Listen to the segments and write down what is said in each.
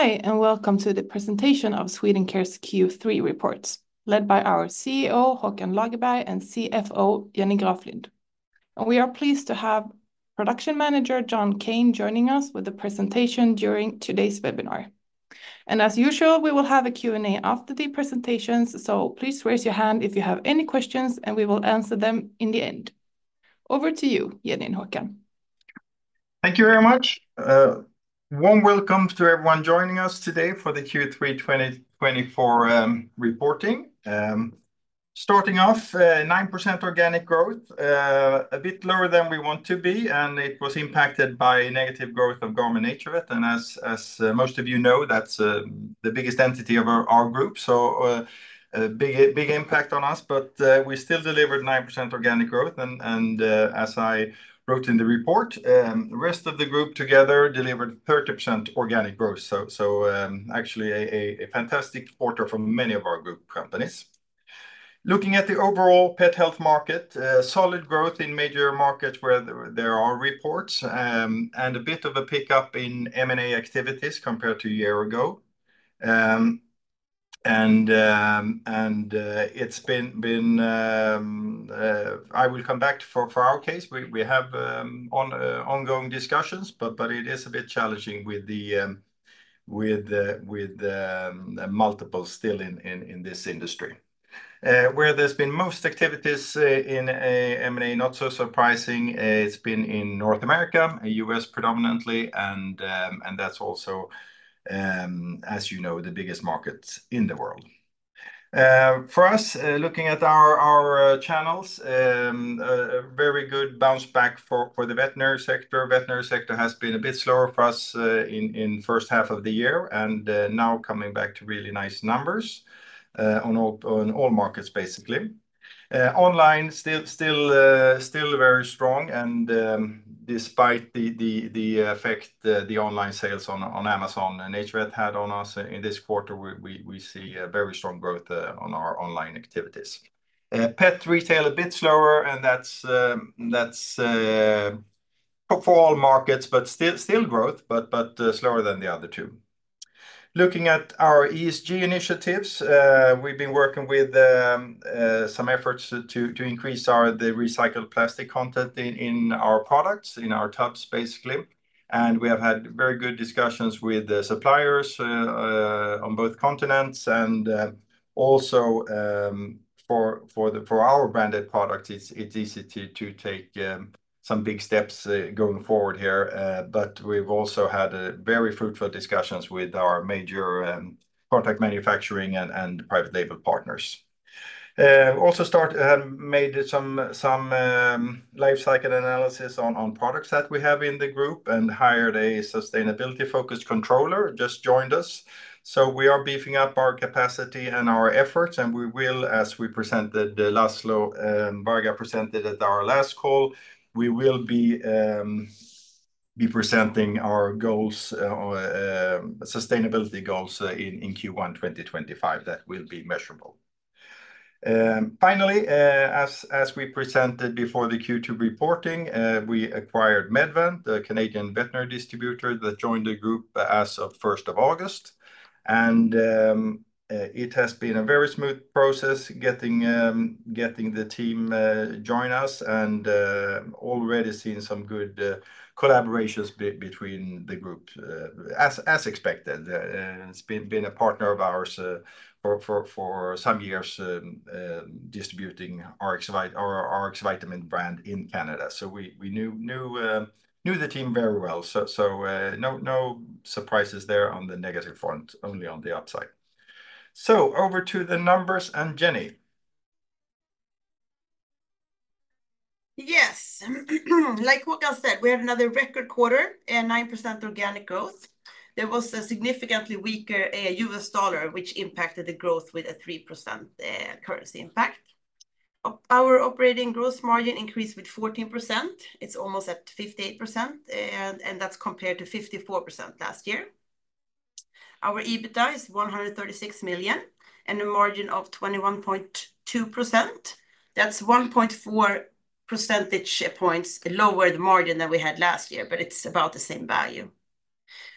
Hi, and welcome to the presentation of Swedencare's Q3 reports, led by our CEO, Håkan Lagerberg, and CFO, Jenny Graflind. We are pleased to have Production Manager, John Kane, joining us with the presentation during today's webinar. As usual, we will have a Q&A after the presentations, so please raise your hand if you have any questions, and we will answer them in the end. Over to you, Jenny and Håkan. Thank you very much. Warm welcome to everyone joining us today for the Q3 2024 reporting. Starting off, 9% organic growth, a bit lower than we want to be, and it was impacted by negative growth of Garmon NaturVet. As most of you know, that's the biggest entity of our group, so a big impact on us, but we still delivered 9% organic growth. As I wrote in the report, the rest of the group together delivered 30% organic growth. Actually, a fantastic quarter for many of our group companies. Looking at the overall pet health market, solid growth in major markets where there are reports, and a bit of a pickup in M&A activities compared to a year ago. And it's been... I will come back to for our case. We have ongoing discussions, but it is a bit challenging with the multiple still in this industry. Where there's been most activities in M&A, not so surprising, it's been in North America and U.S. predominantly, and that's also, as you know, the biggest market in the world. For us, looking at our channels, very good bounce back for the veterinary sector. Veterinary sector has been a bit slower for us in first half of the year, and now coming back to really nice numbers on all markets, basically. Online, still very strong, and despite the effect the online sales on Amazon and NaturVet had on us in this quarter, we see a very strong growth on our online activities. Pet retail, a bit slower, and that's for all markets, but still growth, but slower than the other two. Looking at our ESG initiatives, we've been working with some efforts to increase the recycled plastic content in our products, in our tubs, basically. And we have had very good discussions with the suppliers on both continents, and also for our branded products, it's easy to take some big steps going forward here. But we've also had very fruitful discussions with our major contract manufacturing and private label partners. Also started to make some life cycle analysis on products that we have in the group and hired a sustainability-focused controller, just joined us. So we are beefing up our capacity and our efforts, and we will, as we presented, Laszlo Varga presented at our last call, we will be presenting our sustainability goals in Q1 2025, that will be measurable. Finally, as we presented before the Q2 reporting, we acquired MedVant, the Canadian veterinary distributor that joined the group as of first of August. It has been a very smooth process getting the team join us, and already seeing some good collaborations between the group, as expected. It's been a partner of ours for some years, distributing Rx Vitamins brand in Canada. So we knew the team very well. So no surprises there on the negative front, only on the upside. So over to the numbers, and Jenny. Yes. Like Håkan said, we had another record quarter and 9% organic growth. There was a significantly weaker U.S. dollar, which impacted the growth with a 3% currency impact. Our operating gross margin increased with 14%. It's almost at 58%, and that's compared to 54% last year. Our EBITDA is 136 million, and the margin of 21.2%. That's one point four percentage points lower the margin than we had last year, but it's about the same value.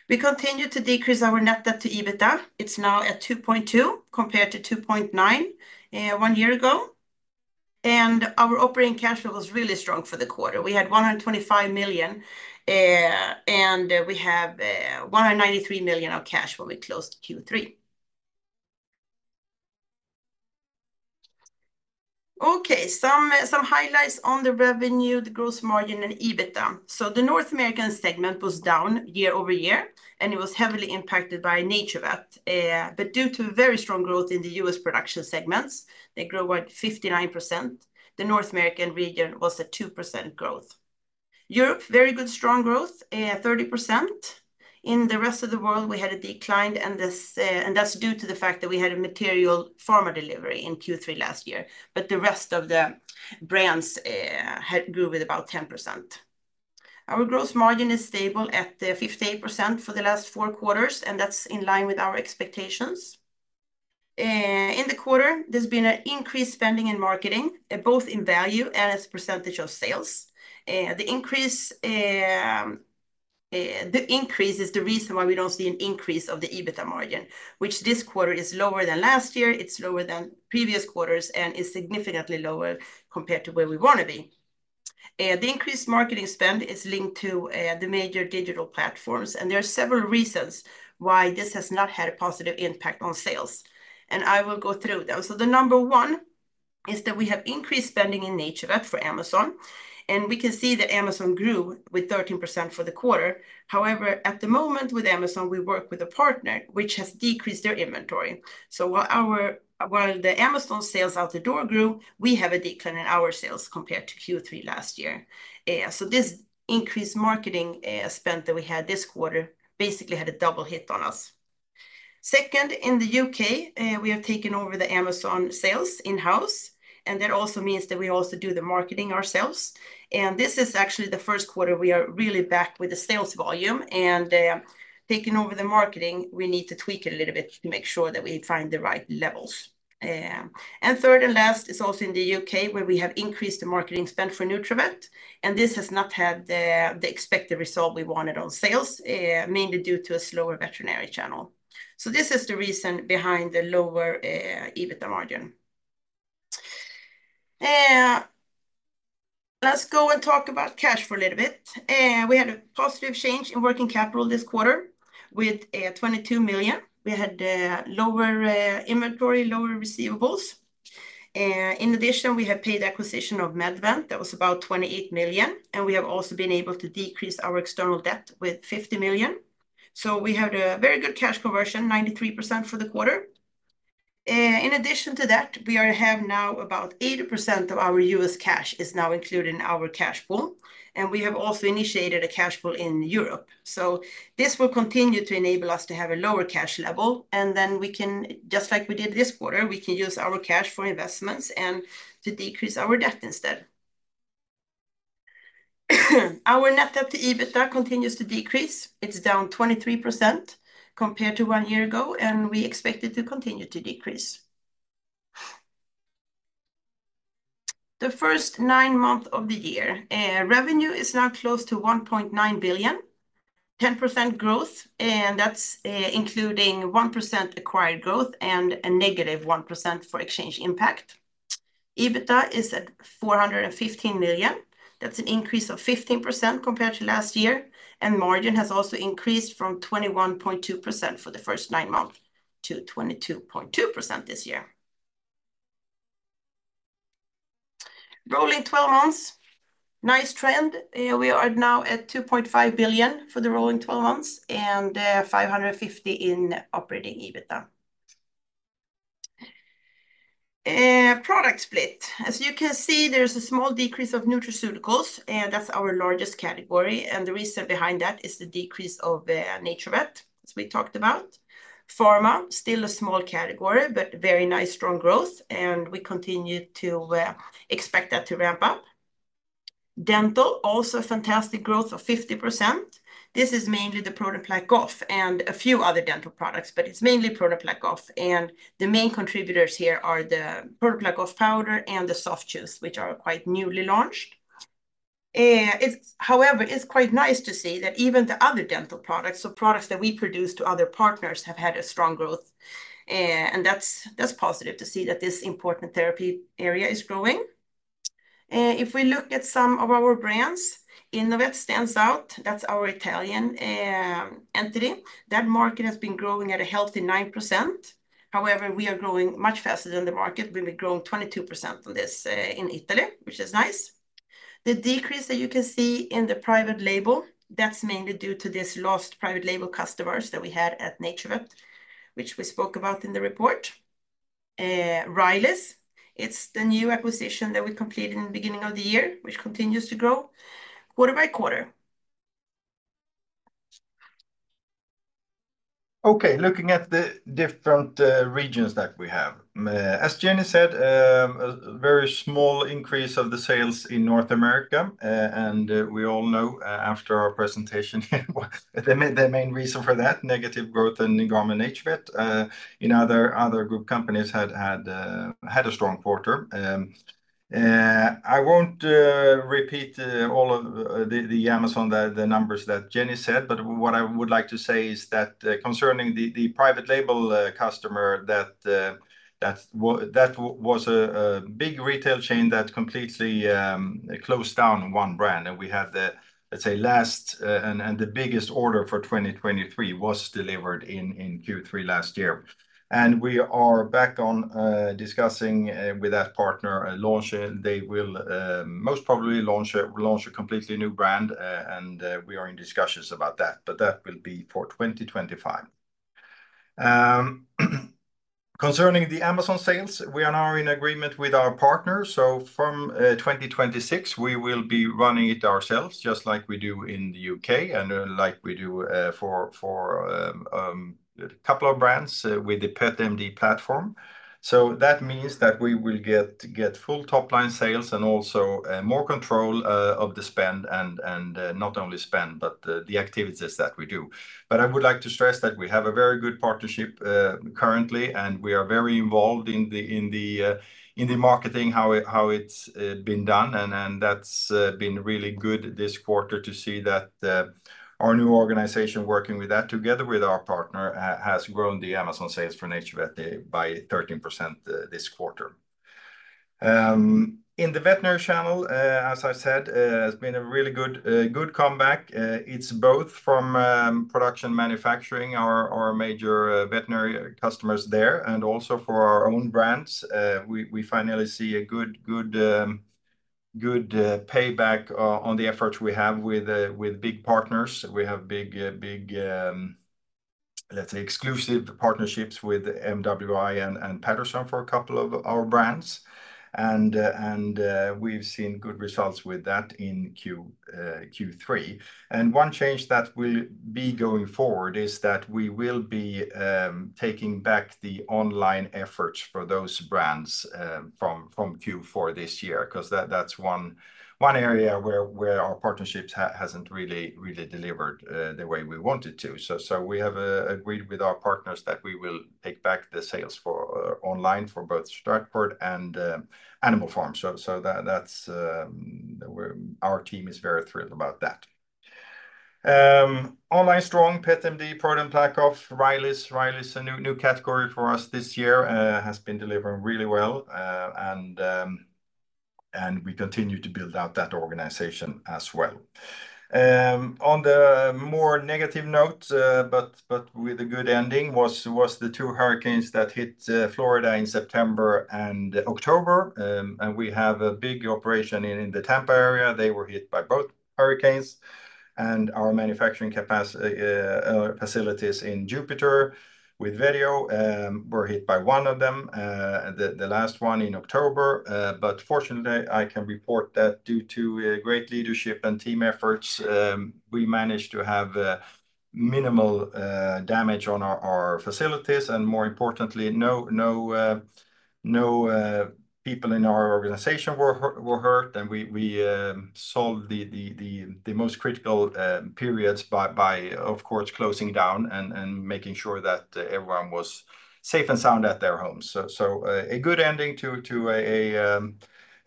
We continued to decrease our net debt to EBITDA. It's now at 2.2, compared to 2.9 one year ago. And our operating cash flow was really strong for the quarter. We had 125 million, and we have 193 million of cash when we closed Q3. Okay, some highlights on the revenue, the gross margin, and EBITDA. So the North American segment was down year over year, and it was heavily impacted by NaturVet. But due to very strong growth in the U.S. production segments, they grew at 59%. The North American region was a 2% growth. Europe, very good, strong growth, 30%. In the rest of the world, we had a decline, and that's due to the fact that we had a material pharma delivery in Q3 last year, but the rest of the brands had grew with about 10%. Our gross margin is stable at 58% for the last four quarters, and that's in line with our expectations. In the quarter, there's been an increased spending in marketing, both in value and as a percentage of sales. The increase is the reason why we don't see an increase of the EBITDA margin, which this quarter is lower than last year. It's lower than previous quarters, and is significantly lower compared to where we want to be. The increased marketing spend is linked to the major digital platforms, and there are several reasons why this has not had a positive impact on sales, and I will go through them. The number one is that we have increased spending in NaturVet for Amazon, and we can see that Amazon grew with 13% for the quarter. However, at the moment, with Amazon, we work with a partner which has decreased their inventory. While the Amazon sales out the door grew, we have a decline in our sales compared to Q3 last year. So this increased marketing spend that we had this quarter basically had a double hit on us. Second, in the U.K., we have taken over the Amazon sales in-house, and that also means that we also do the marketing ourselves. And this is actually the first quarter we are really back with the sales volume and taking over the marketing, we need to tweak it a little bit to make sure that we find the right levels. And third and last is also in the U.K., where we have increased the marketing spend for NaturVet, and this has not had the expected result we wanted on sales mainly due to a slower veterinary channel. So this is the reason behind the lower EBITDA margin. Let's go and talk about cash for a little bit. We had a positive change in working capital this quarter with 22 million. We had lower inventory, lower receivables. In addition, we have paid acquisition of MedVant, that was about 28 million, and we have also been able to decrease our external debt with 50 million. So we had a very good cash conversion, 93% for the quarter. In addition to that, we have now about 80% of our U.S. cash is now included in our cash pool, and we have also initiated a cash pool in Europe. So this will continue to enable us to have a lower cash level, and then we can, just like we did this quarter, we can use our cash for investments and to decrease our debt instead. Our net debt to EBITDA continues to decrease. It's down 23% compared to one year ago, and we expect it to continue to decrease. The first nine months of the year, revenue is now close to 1.9 billion, 10% growth, and that's, including 1% acquired growth and a -1% for exchange impact. EBITDA is at 415 million. That's an increase of 15% compared to last year, and margin has also increased from 21.2% for the first nine months to 22.2% this year. Rolling twelve months, nice trend. We are now at 2.5 billion for the rolling twelve months and, 550 million in operating EBITDA. Product split. As you can see, there's a small decrease of nutraceuticals, and that's our largest category, and the reason behind that is the decrease of NaturVet, as we talked about. Pharma, still a small category, but very nice, strong growth, and we continue to expect that to ramp up. Dental, also a fantastic growth of 50%. This is mainly the ProDen PlaqueOff and a few other dental products, but it's mainly ProDen PlaqueOff, and the main contributors here are the ProDen PlaqueOff Powder and the ProDen PlaqueOff Soft Chews, which are quite newly launched. It's however, it's quite nice to see that even the other dental products, so products that we produce to other partners, have had a strong growth, and that's, that's positive to see that this important therapy area is growing. If we look at some of our brands, Innovet stands out. That's our Italian entity. That market has been growing at a healthy 9%. However, we are growing much faster than the market. We've been growing 22% on this in Italy, which is nice. The decrease that you can see in the private label, that's mainly due to this lost private label customers that we had at NaturVet, which we spoke about in the report. Riley's, it's the new acquisition that we completed in the beginning of the year, which continues to grow quarter-by-quarter. Okay, looking at the different regions that we have. As Jenny said, a very small increase of the sales in North America, and we all know, after our presentation, the main reason for that, negative growth in our NaturVet. In other group companies had a strong quarter. I won't repeat all of the Amazon, the numbers that Jenny said, but what I would like to say is that, concerning the private label customer, that was a big retail chain that completely closed down one brand, and we had the, let's say, last and the biggest order for 2023 was delivered in Q3 last year. And we are back on discussing with that partner, a launch. They will most probably launch a completely new brand, and we are in discussions about that, but that will be for 2025. Concerning the Amazon sales, we are now in agreement with our partner, so from 2026, we will be running it ourselves, just like we do in the U.K. and like we do for a couple of brands with the PetMD platform. So that means that we will get full top-line sales and also more control of the spend and not only spend, but the activities that we do. But I would like to stress that we have a very good partnership currently, and we are very involved in the marketing, how it's been done. That's been really good this quarter to see that our new organization working with that, together with our partner, has grown the Amazon sales for NaturVet by 13% this quarter. In the veterinary channel, as I said, has been a really good comeback. It's both from production, manufacturing, our major veterinary customers there, and also for our own brands. We finally see a good payback on the efforts we have with big partners. We have big, let's say, exclusive partnerships with MWI and Patterson for a couple of our brands. And we've seen good results with that in Q3. One change that will be going forward is that we will be taking back the online efforts for those brands from Q4 this year, 'cause that's one area where our partnerships hasn't really delivered the way we want it to. So we have agreed with our partners that we will take back the sales for online for both Stratford and Animal Pharmaceuticals. So that... Our team is very thrilled about that. Online strong, PetMD, ProDen PlaqueOff, Riley's. Riley's a new category for us this year has been delivering really well, and we continue to build out that organization as well. On the more negative note, but with a good ending, was the two hurricanes that hit Florida in September and October. And we have a big operation in the Tampa area. They were hit by both hurricanes, and our manufacturing capacity facilities in Jupiter with Vetio were hit by one of them, the last one in October. But fortunately, I can report that due to great leadership and team efforts, we managed to have minimal damage on our facilities, and more importantly, no people in our organization were hurt. And we solved the most critical periods by of course closing down and making sure that everyone was safe and sound at their homes. So, a good ending to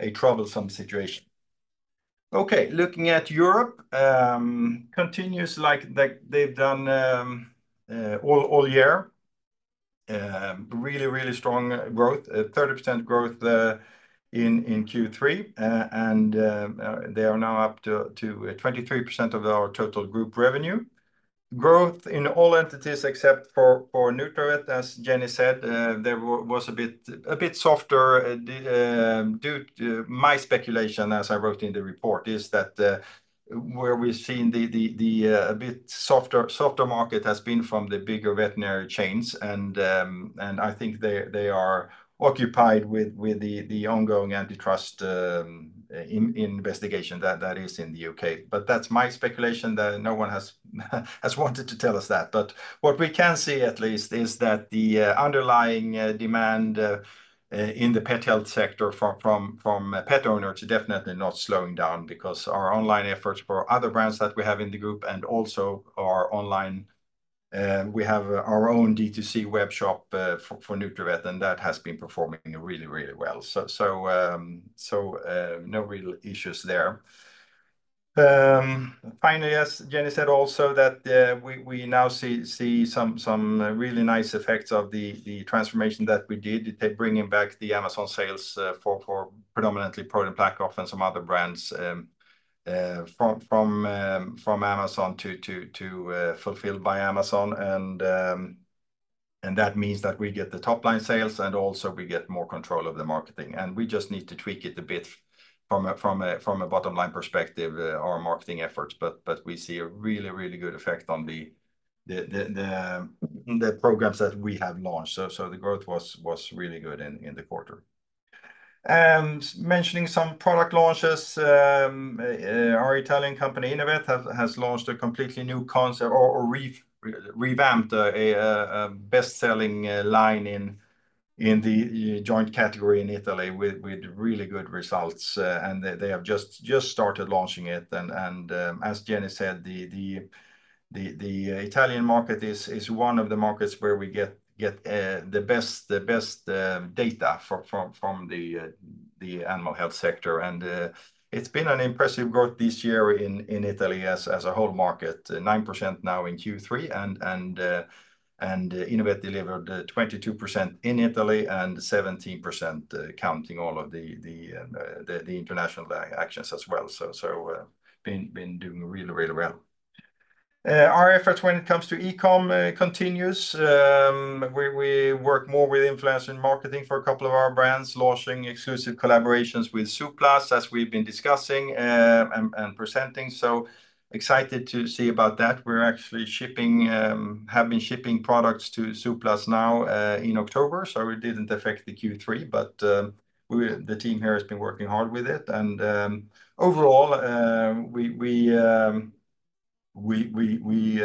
a troublesome situation. Okay, looking at Europe, continues like they've done all year. Really, really strong growth, 30% growth, in Q3. And they are now up to 23% of our total group revenue. Growth in all entities except for Nutravet, as Jenny said, there was a bit softer. My speculation, as I wrote in the report, is that where we've seen the a bit softer, softer market has been from the bigger veterinary chains, and I think they are occupied with the ongoing antitrust investigation that is in the U.K. But that's my speculation, that no one has wanted to tell us that. But what we can say, at least, is that the underlying demand in the pet health sector from pet owners is definitely not slowing down. Because our online efforts for other brands that we have in the group and also our online, we have our own D2C webshop for NaturVet, and that has been performing really, really well, so no real issues there. Finally, as Jenny said, also that we now see some really nice effects of the transformation that we did, bringing back the Amazon sales for predominantly ProDen PlaqueOff and some other brands from Amazon to fulfilled by Amazon, and that means that we get the top-line sales, and also we get more control of the marketing. We just need to tweak it a bit from a bottom-line perspective, our marketing efforts, but we see a really good effect on the programs that we have launched. The growth was really good in the quarter. Mentioning some product launches, our Italian company, Innovet, has launched a completely new concept or revamped a best-selling line in the joint category in Italy with really good results. They have just started launching it. As Jenny said, the Italian market is one of the markets where we get the best data from the animal health sector. It's been an impressive growth this year in Italy as a whole market, 9% now in Q3, and Innovet delivered 22% in Italy and 17% counting all of the international actions as well. We've been doing really well. Our efforts when it comes to e-com continues. We work more with influencer marketing for a couple of our brands, launching exclusive collaborations with Zooplus, as we've been discussing and presenting, so excited to see about that. We're actually have been shipping products to Zooplus now in October, so it didn't affect the Q3 but the team here has been working hard with it. Overall, we... We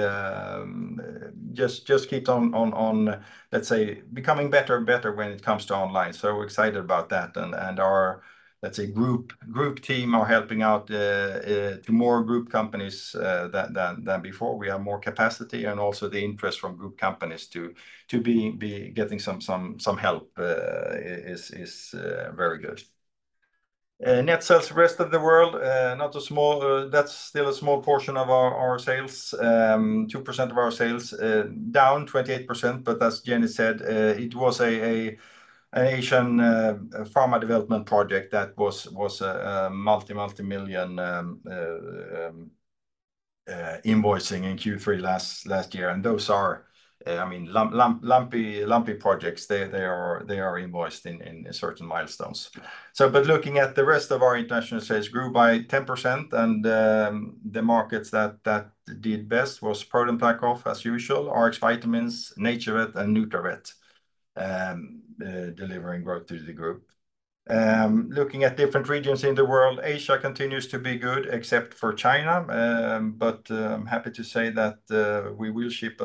just keep on, let's say, becoming better and better when it comes to online. So we're excited about that, and our, let's say, group team are helping out to more group companies than before. We have more capacity, and also the interest from group companies to be getting some help is very good. Net sales rest of the world, that's still a small portion of our sales, 2% of our sales, down 28%. But as Jenny said, it was an Asian pharma development project that was a multi-million invoicing in Q3 last year. And those are, I mean, lumpy projects. They are invoiced in certain milestones. But looking at the rest of our international sales grew by 10%, and the markets that did best was ProDen PlaqueOff, as usual, Rx Vitamins, NaturVet, and Nutravet, delivering growth to the group. Looking at different regions in the world, Asia continues to be good, except for China. But happy to say that we will ship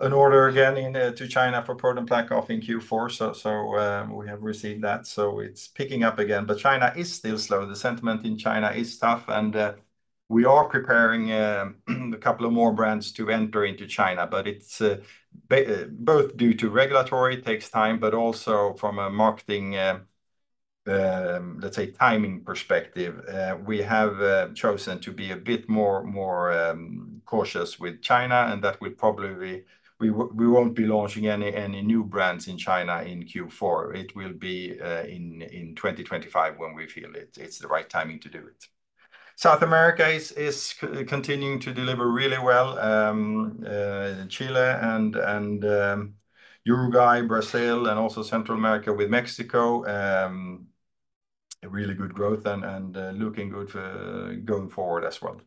an order again to China for ProDen PlaqueOff in Q4. So we have received that, so it's picking up again. But China is still slow. The sentiment in China is tough, and we are preparing a couple of more brands to enter into China, but it's both due to regulatory, takes time, but also from a marketing, let's say, timing perspective. We have chosen to be a bit more cautious with China, and that will probably... We won't be launching any new brands in China in Q4. It will be in 2025, when we feel it's the right timing to do it. South America is continuing to deliver really well, Chile and Uruguay, Brazil, and also Central America with Mexico. A really good growth and looking good going forward as well.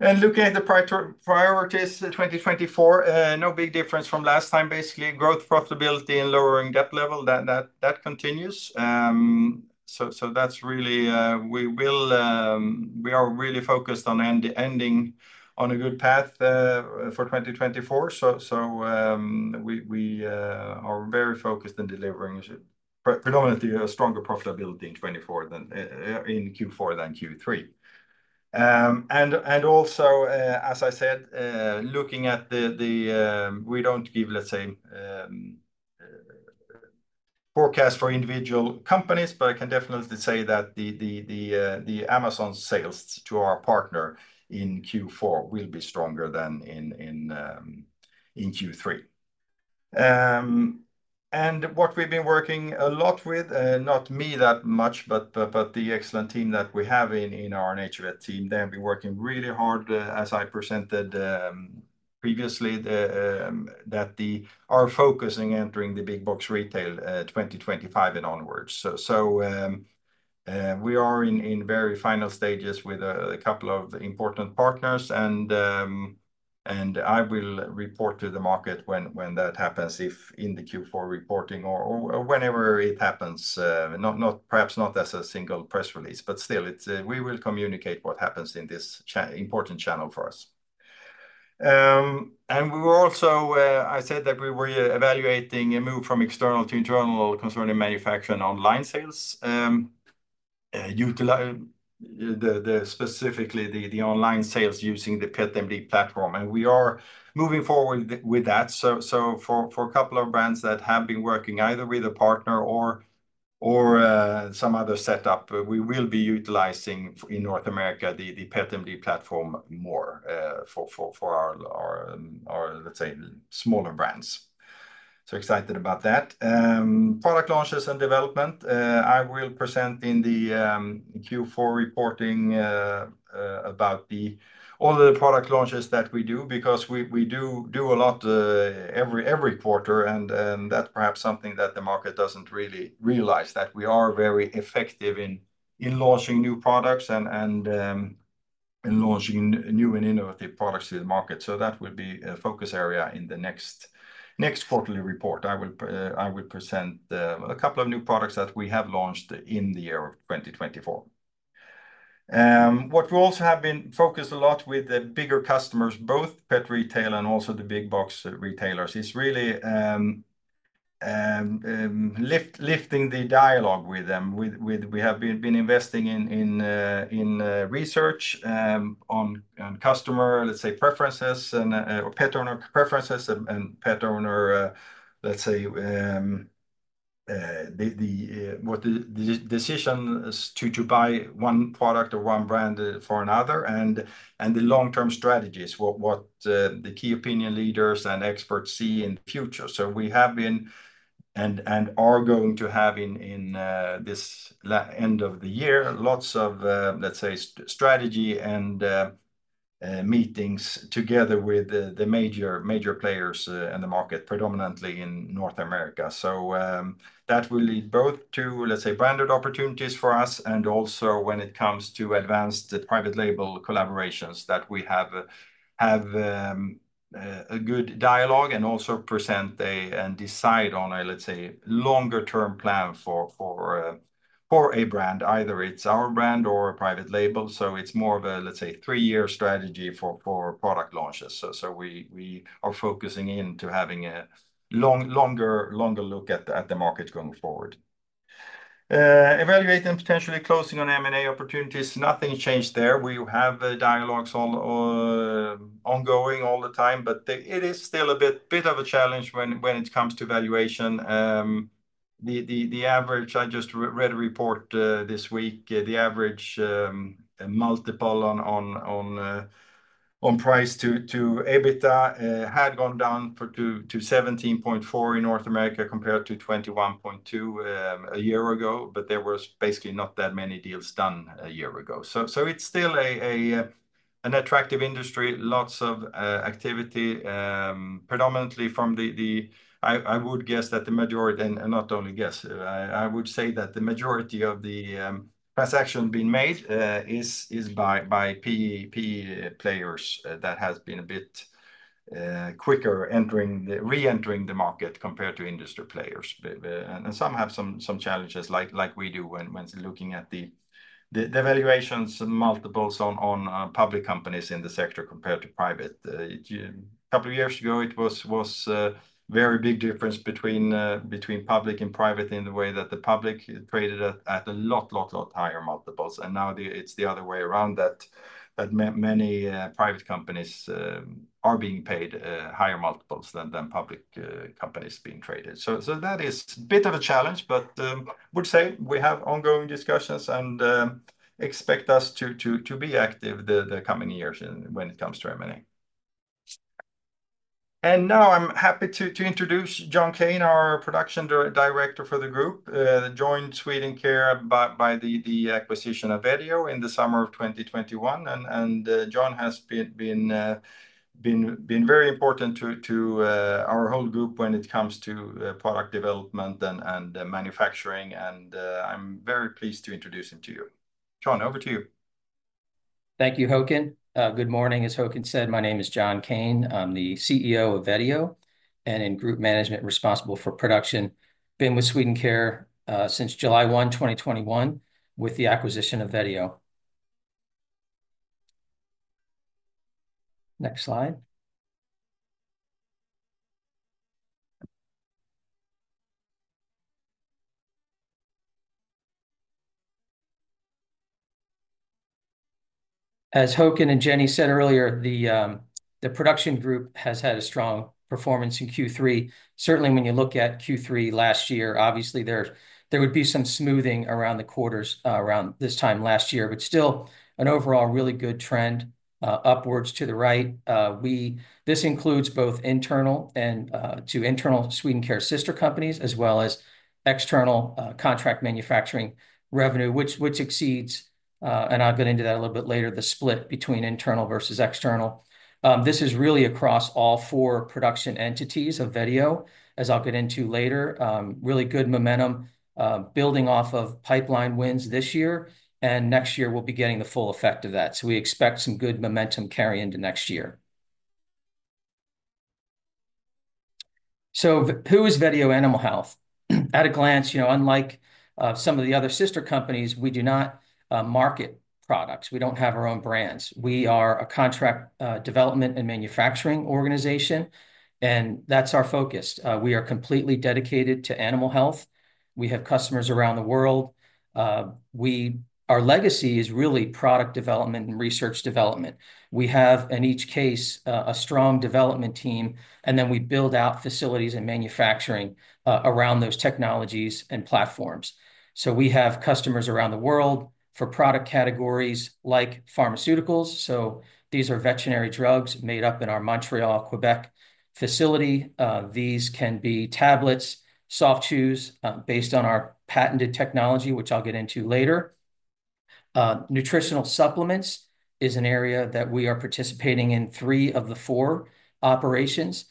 Looking at the priorities, 2024, no big difference from last time. Basically, growth, profitability, and lowering debt level, that continues. So that's really we are really focused on ending on a good path for 2024. We are very focused on delivering predominantly a stronger profitability in 2024 than in Q4 than Q3. And also, as I said, looking at the... We don't give, let's say, forecast for individual companies, but I can definitely say that the Amazon sales to our partner in Q4 will be stronger than in Q3. And what we've been working a lot with, not me that much, but the excellent team that we have in our NaturVet team, they have been working really hard, as I presented previously, that they are focusing on entering the big box retail, 2025 and onwards. So we are in very final stages with a couple of important partners, and I will report to the market when that happens, if in the Q4 reporting or whenever it happens, not, perhaps not, as a single press release. But still, it's. We will communicate what happens in this important channel for us. And we were also. I said that we were evaluating a move from external to internal concerning manufacturing online sales, utilize specifically the online sales using the PetMD platform, and we are moving forward with that. For a couple of brands that have been working either with a partner or some other setup, we will be utilizing, in North America, the PetMD platform more for our, let's say, smaller brands. Excited about that. Product launches and development, I will present in the Q4 reporting about all the product launches that we do, because we do a lot every quarter, and that's perhaps something that the market doesn't really realize, that we are very effective in launching new products and in launching new and innovative products to the market. That will be a focus area in the next quarterly report. I will present a couple of new products that we have launched in the year of 2024. What we also have been focused a lot with the bigger customers, both pet retail and also the big box retailers, is really lifting the dialogue with them. We have been investing in research on customer, let's say, preferences and or pet owner preferences and pet owner, let's say, what the decisions to buy one product or one brand for another, and the long-term strategies, what the key opinion leaders and experts see in the future. So we have been, and are going to have in this end of the year, lots of, let's say, strategy and meetings together with the major players in the market, predominantly in North America. So, that will lead both to, let's say, branded opportunities for us, and also when it comes to advanced private label collaborations that we have a good dialogue and also present and decide on a, let's say, longer-term plan for a brand, either it's our brand or a private label, so it's more of a, let's say, three-year strategy for product launches. So we are focusing into having a longer look at the market going forward. Evaluating and potentially closing on M&A opportunities, nothing changed there. We have the dialogues all ongoing all the time, but it is still a bit of a challenge when it comes to valuation. I just re-read a report this week. The average multiple on price to EBITDA had gone down to 17.4 in North America, compared to 21.2 a year ago, but there was basically not that many deals done a year ago. So it's still an attractive industry, lots of activity, predominantly from the. I would guess that the majority, and not only guess, I would say that the majority of the transaction being made is by PE players. That has been a bit quicker re-entering the market compared to industry players. But and some have challenges like we do when looking at the valuations and multiples on public companies in the sector compared to private. A couple of years ago, it was very big difference between public and private in the way that the public traded at a lot higher multiples, and now it's the other way around, that many private companies are being paid higher multiples than public companies being traded. So that is a bit of a challenge, but I would say we have ongoing discussions and expect us to be active the coming years and when it comes to M&A. And now I'm happy to introduce John Kane, our Production Director for the group, that joined Swedencare by the acquisition of Vetio in the summer of 2021. And John has been very important to our whole group when it comes to product development and manufacturing, and I'm very pleased to introduce him to you. John, over to you. Thank you, Håkan. Good morning. As Håkan said, my name is John Kane. I'm the CEO of Vetio and in group management responsible for production. Been with Swedencare, since July 1, 2021, with the acquisition of Vetio. Next slide. As Håkan and Jenny said earlier, the production group has had a strong performance in Q3. Certainly, when you look at Q3 last year, obviously, there would be some smoothing around the quarters, around this time last year, but still an overall really good trend, upwards to the right. This includes both internal and to internal Swedencare sister companies, as well as external, contract manufacturing revenue, which exceeds, and I'll get into that a little bit later, the split between internal versus external. This is really across all four production entities of Vetio, as I'll get into later. Really good momentum, building off of pipeline wins this year, and next year we'll be getting the full effect of that, so we expect some good momentum carry into next year, so who is Vetio Animal Health? At a glance, you know, unlike some of the other sister companies, we do not market products. We don't have our own brands. We are a contract development and manufacturing organization, and that's our focus. We are completely dedicated to animal health. We have customers around the world. Our legacy is really product development and research development. We have, in each case, a strong development team, and then we build out facilities and manufacturing around those technologies and platforms. We have customers around the world for product categories like pharmaceuticals, so these are veterinary drugs made up in our Montreal, Quebec facility. These can be tablets, Soft Chews, based on our patented technology, which I'll get into later. Nutritional supplements is an area that we are participating in three of the four operations.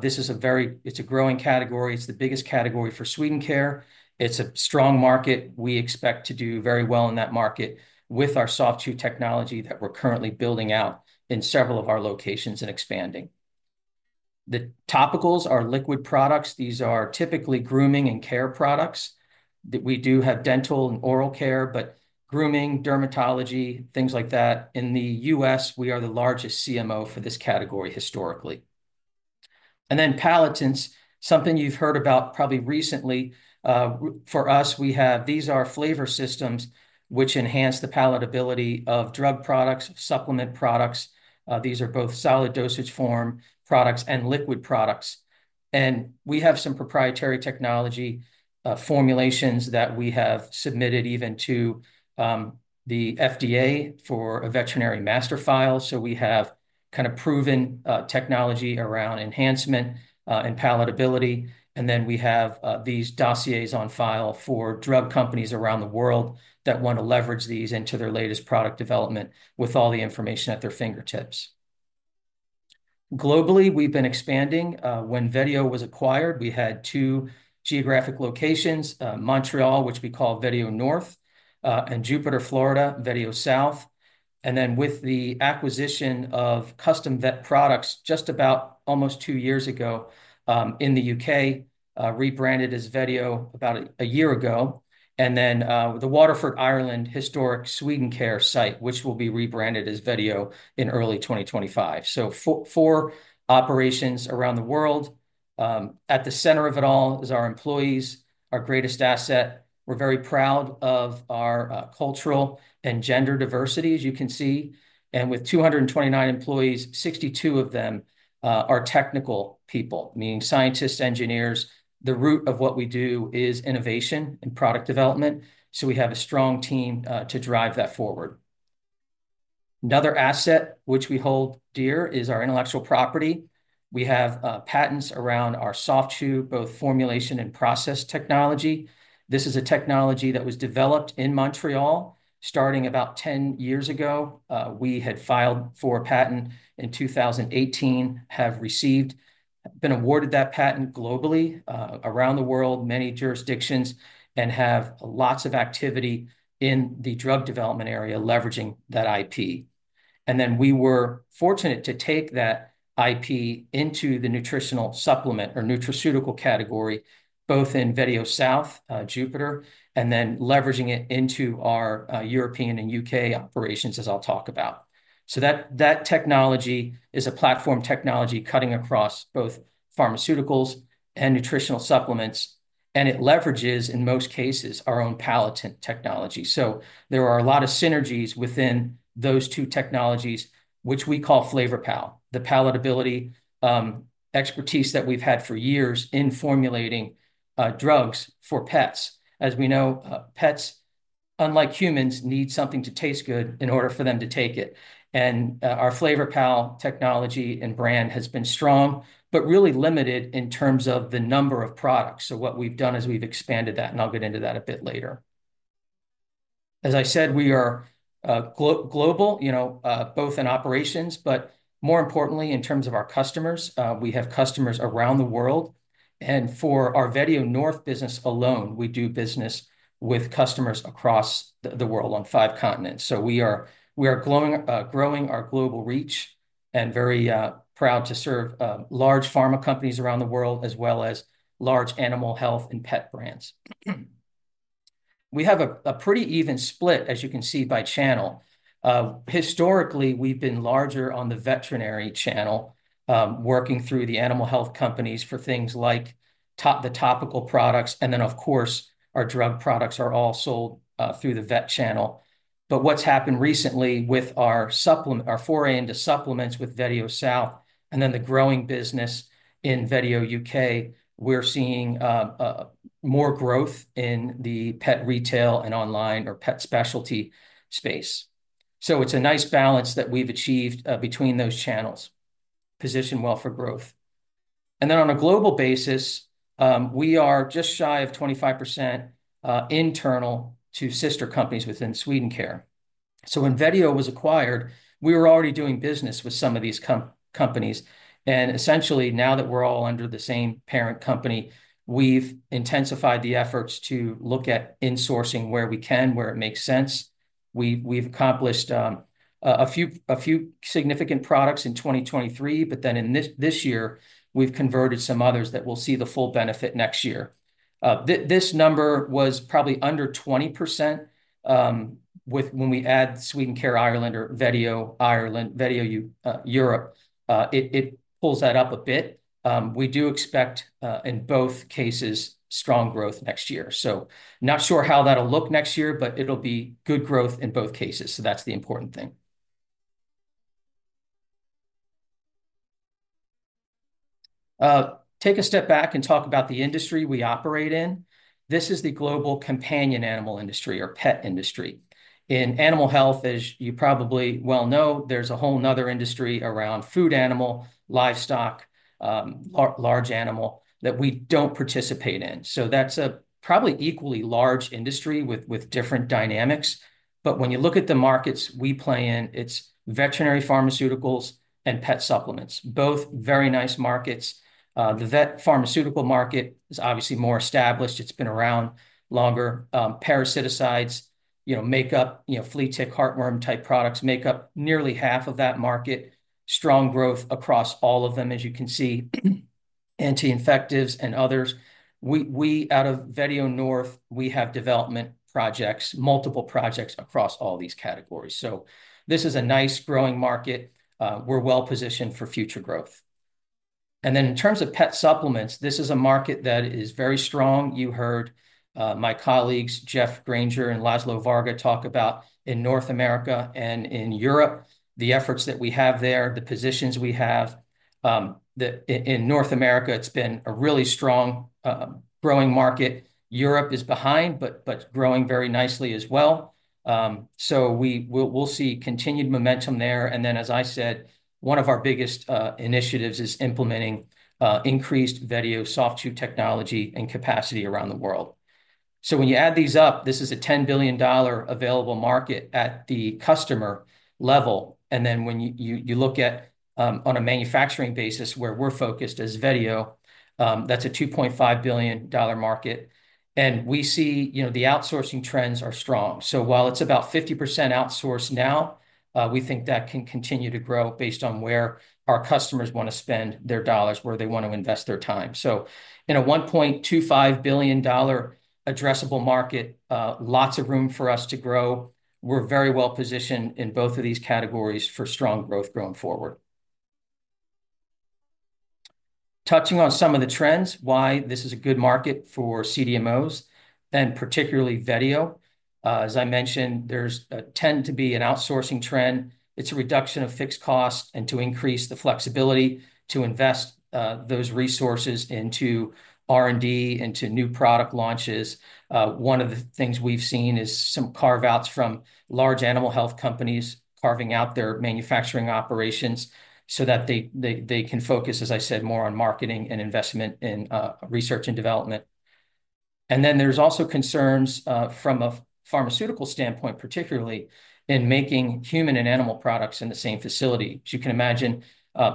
This is a growing category. It's the biggest category for Swedencare. It's a strong market. We expect to do very well in that market with our Soft Chew technology that we're currently building out in several of our locations and expanding. The topicals are liquid products. These are typically grooming and care products, that we do have dental and oral care, but grooming, dermatology, things like that. In the U.S., we are the largest CMO for this category historically. And then palatants, something you've heard about probably recently. For us, we have these are flavor systems which enhance the palatability of drug products, supplement products. These are both solid dosage form products and liquid products. And we have some proprietary technology, formulations that we have submitted even to the FDA for a Veterinary Master File. So we have kind of proven technology around enhancement and palatability, and then we have these dossiers on file for drug companies around the world that want to leverage these into their latest product development with all the information at their fingertips. Globally, we've been expanding. When Vetio was acquired, we had two geographic locations, Montreal, which we call Vetio North in Jupiter, Florida, Vetio South. Then with the acquisition of Custom Vet Products just about almost two years ago, in the U.K., rebranded as Vetio about a year ago. Then the Waterford, Ireland, historic Swedencare site, which will be rebranded as Vetio in early 2025. So four operations around the world. At the center of it all is our employees, our greatest asset. We're very proud of our cultural and gender diversity, as you can see. And with 229 employees, 62 of them are technical people, meaning scientists, engineers. The root of what we do is innovation and product development, so we have a strong team to drive that forward. Another asset which we hold dear is our intellectual property. We have patents around our Soft Chew, both formulation and process technology. This is a technology that was developed in Montreal, starting about 10 years ago. We had filed for a patent in 2018, have been awarded that patent globally, around the world, many jurisdictions, and have lots of activity in the drug development area, leveraging that IP. And then we were fortunate to take that IP into the nutritional supplement or nutraceutical category, both in Vetio South, Jupiter, and then leveraging it into our European and U.K. operations, as I'll talk about. So that, that technology is a platform technology cutting across both pharmaceuticals and nutritional supplements, and it leverages, in most cases, our own palatant technology. So there are a lot of synergies within those two technologies, which we call FlavorPal. The palatability expertise that we've had for years in formulating drugs for pets. As we know, pets, unlike humans, need something to taste good in order for them to take it, and our FlavorPal technology and brand has been strong, but really limited in terms of the number of products. So what we've done is we've expanded that, and I'll get into that a bit later. As I said, we are global, you know, both in operations, but more importantly, in terms of our customers. We have customers around the world, and for our Vetio North business alone, we do business with customers across the world on five continents. So we are growing our global reach, and very proud to serve large pharma companies around the world, as well as large animal health and pet brands. We have a pretty even split, as you can see, by channel. Historically, we've been larger on the veterinary channel, working through the animal health companies for things like topical products, and then, of course, our drug products are all sold through the vet channel. But what's happened recently with our supplement... our foray into supplements with Vetio South, and then the growing business in Vetio U.K., we're seeing more growth in the pet retail and online or pet specialty space. So it's a nice balance that we've achieved between those channels. Positioned well for growth. And then on a global basis, we are just shy of 25% internal to sister companies within Swedencare. So when Vetio was acquired, we were already doing business with some of these companies, and essentially, now that we're all under the same parent company, we've intensified the efforts to look at insourcing where we can, where it makes sense. We've accomplished a few significant products in 2023, but then in this year, we've converted some others that we'll see the full benefit next year. This number was probably under 20%. With when we add Swedencare Ireland or Vetio Ireland, Vetio U.K., Europe, it pulls that up a bit. We do expect, in both cases, strong growth next year. So not sure how that'll look next year, but it'll be good growth in both cases, so that's the important thing. Take a step back and talk about the industry we operate in. This is the global companion animal industry or pet industry. In animal health, as you probably well know, there's a whole another industry around food animal, livestock, large animal, that we don't participate in. So that's a probably equally large industry with different dynamics. But when you look at the markets we play in, it's veterinary pharmaceuticals and pet supplements, both very nice markets. The vet pharmaceutical market is obviously more established. It's been around longer. Parasiticides, you know, make up, you know, flea, tick, heartworm-type products make up nearly half of that market. Strong growth across all of them, as you can see. Anti-infectives and others. Out of Vetio North, we have development projects, multiple projects across all these categories. So this is a nice, growing market. We're well-positioned for future growth, and then in terms of pet supplements, this is a market that is very strong. You heard my colleagues, Geoff Granger and Laszlo Varga, talk about in North America and in Europe, the efforts that we have there, the positions we have. In North America, it's been a really strong growing market. Europe is behind, but growing very nicely as well, so we'll see continued momentum there, and then, as I said, one of our biggest initiatives is implementing increased Vetio Soft Chew technology and capacity around the world. So when you add these up, this is a $10 billion available market at the customer level, and then when you look at on a manufacturing basis, where we're focused as Vetio, that's a $2.5 billion market. We see, you know, the outsourcing trends are strong. While it's about 50% outsourced now, we think that can continue to grow based on where our customers wanna spend their dollars, where they want to invest their time. In a $1.25 billion addressable market, lots of room for us to grow. We're very well-positioned in both of these categories for strong growth going forward. Touching on some of the trends, why this is a good market for CDMOs, and particularly Vetio. As I mentioned, there's tend to be an outsourcing trend. It's a reduction of fixed costs, and to increase the flexibility to invest those resources into R&D, into new product launches. One of the things we've seen is some carve-outs from large animal health companies, carving out their manufacturing operations so that they can focus, as I said, more on marketing and investment in research and development. Then there's also concerns from a pharmaceutical standpoint, particularly in making human and animal products in the same facility. As you can imagine,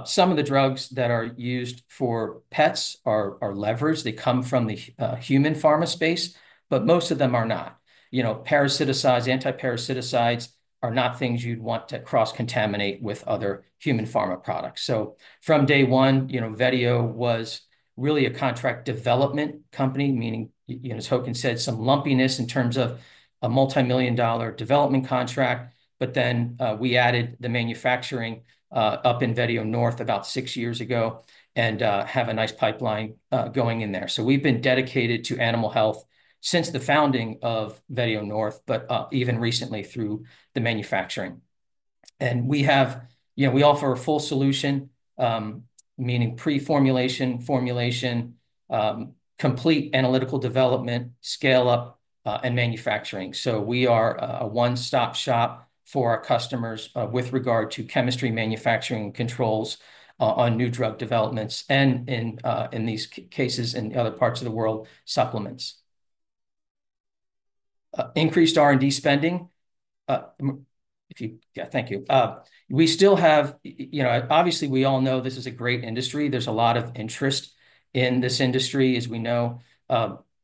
some of the drugs that are used for pets are leveraged. They come from the human pharma space, but most of them are not. You know, parasiticides, anti-parasiticides are not things you'd want to cross-contaminate with other human pharma products. So from day one, you know, Vetio was really a contract development company, meaning you know, as Håkan said, some lumpiness in terms of a multimillion-dollar development contract, but then we added the manufacturing up in Vetio North about six years ago, and have a nice pipeline going in there. So we've been dedicated to animal health since the founding of Vetio North, but even recently through the manufacturing. And we have. You know, we offer a full solution, meaning pre-formulation, formulation, complete analytical development, scale-up, and manufacturing. So we are a one-stop shop for our customers with regard to chemistry, manufacturing, controls on new drug developments, and in these cases, in other parts of the world, supplements. Increased R&D spending. If you... Yeah, thank you. We still have you know, obviously, we all know this is a great industry. There's a lot of interest in this industry, as we know.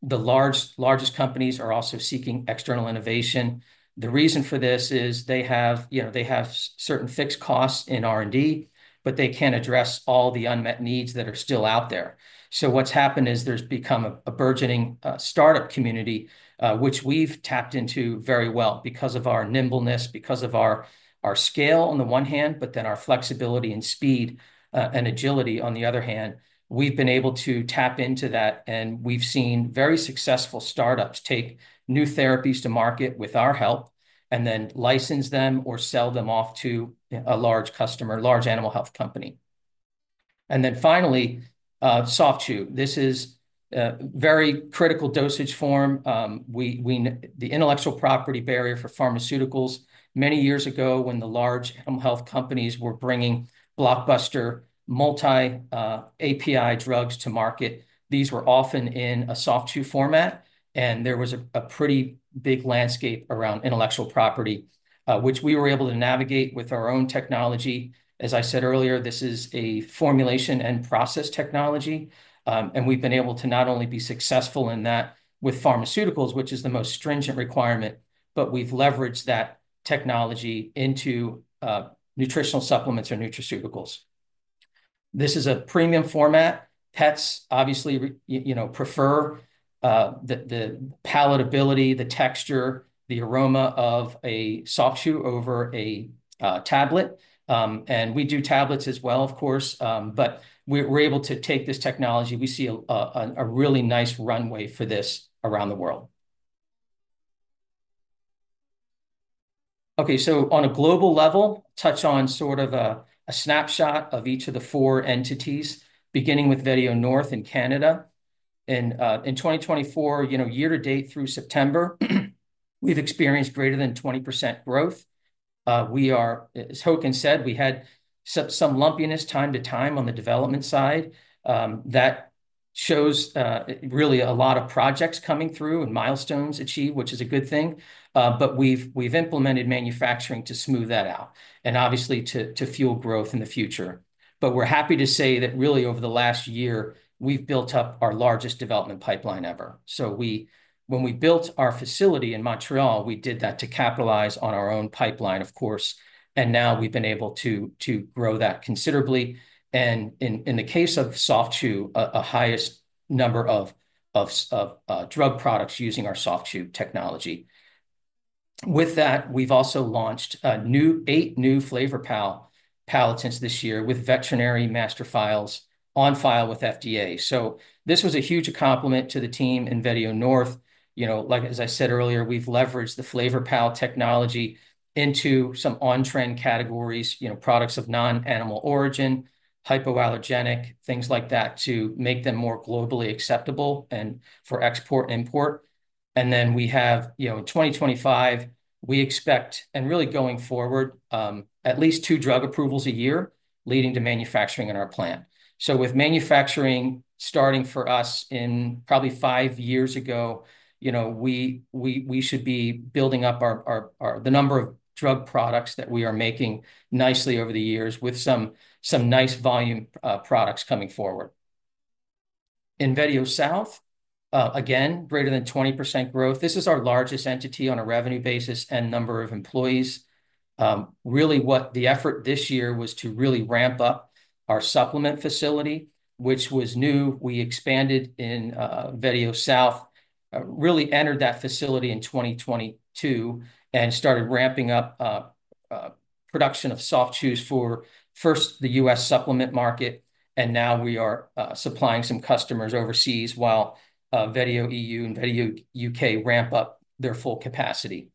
The largest companies are also seeking external innovation. The reason for this is they have, you know, they have certain fixed costs in R&D, but they can't address all the unmet needs that are still out there. So what's happened is there's become a burgeoning startup community, which we've tapped into very well because of our nimbleness, because of our scale on the one hand, but then our flexibility, and speed, and agility on the other hand. We've been able to tap into that, and we've seen very successful startups take new therapies to market with our help, and then license them or sell them off to a large customer, large animal health company. And then finally, Soft Chew. This is a very critical dosage form. We know the intellectual property barrier for pharmaceuticals many years ago, when the large animal health companies were bringing blockbuster multi API drugs to market. These were often in a Soft Chew format, and there was a pretty big landscape around intellectual property, which we were able to navigate with our own technology. As I said earlier, this is a formulation and process technology, and we've been able to not only be successful in that with pharmaceuticals, which is the most stringent requirement, but we've leveraged that technology into nutritional supplements or nutraceuticals. This is a premium format. Pets obviously really you know prefer the palatability, the texture, the aroma of a Soft Chew over a tablet. And we do tablets as well, of course, but we're able to take this technology. We see a really nice runway for this around the world. Okay, so on a global level, touch on sort of a snapshot of each of the four entities, beginning with Vetio North in Canada. In 2024, you know, year-to-date through September, we've experienced greater than 20% growth. We are, as Håkan said, we had some lumpiness time to time on the development side. That shows really a lot of projects coming through and milestones achieved, which is a good thing, but we've implemented manufacturing to smooth that out, and obviously to fuel growth in the future, but we're happy to say that really over the last year, we've built up our largest development pipeline ever. So when we built our facility in Montreal, we did that to capitalize on our own pipeline, of course, and now we've been able to grow that considerably, and in the case of Soft Chew, the highest number of drug products using our Soft Chew technology. With that, we've also launched eight new FlavorPal palatants this year with veterinary master files on file with FDA. So this was a huge complement to the team in Vetio North. You know, like, as I said earlier, we've leveraged the FlavorPal technology into some on-trend categories, you know, products of non-animal origin, hypoallergenic, things like that, to make them more globally acceptable, and for export, import. And then we have, you know, in 2025, we expect, and really going forward, at least two drug approvals a year leading to manufacturing in our plant. With manufacturing starting for us in probably five years ago, you know, we should be building up our the number of drug products that we are making nicely over the years with some nice volume products coming forward. In Vetio South, again, greater than 20% growth. This is our largest entity on a revenue basis and number of employees. Really what the effort this year was to really ramp up our supplement facility, which was new. We expanded in Vetio South, really entered that facility in 2022, and started ramping up production of Soft Chews for first the US supplement market, and now we are supplying some customers overseas while Vetio E.U. and Vetio U.K. ramp up their full capacity.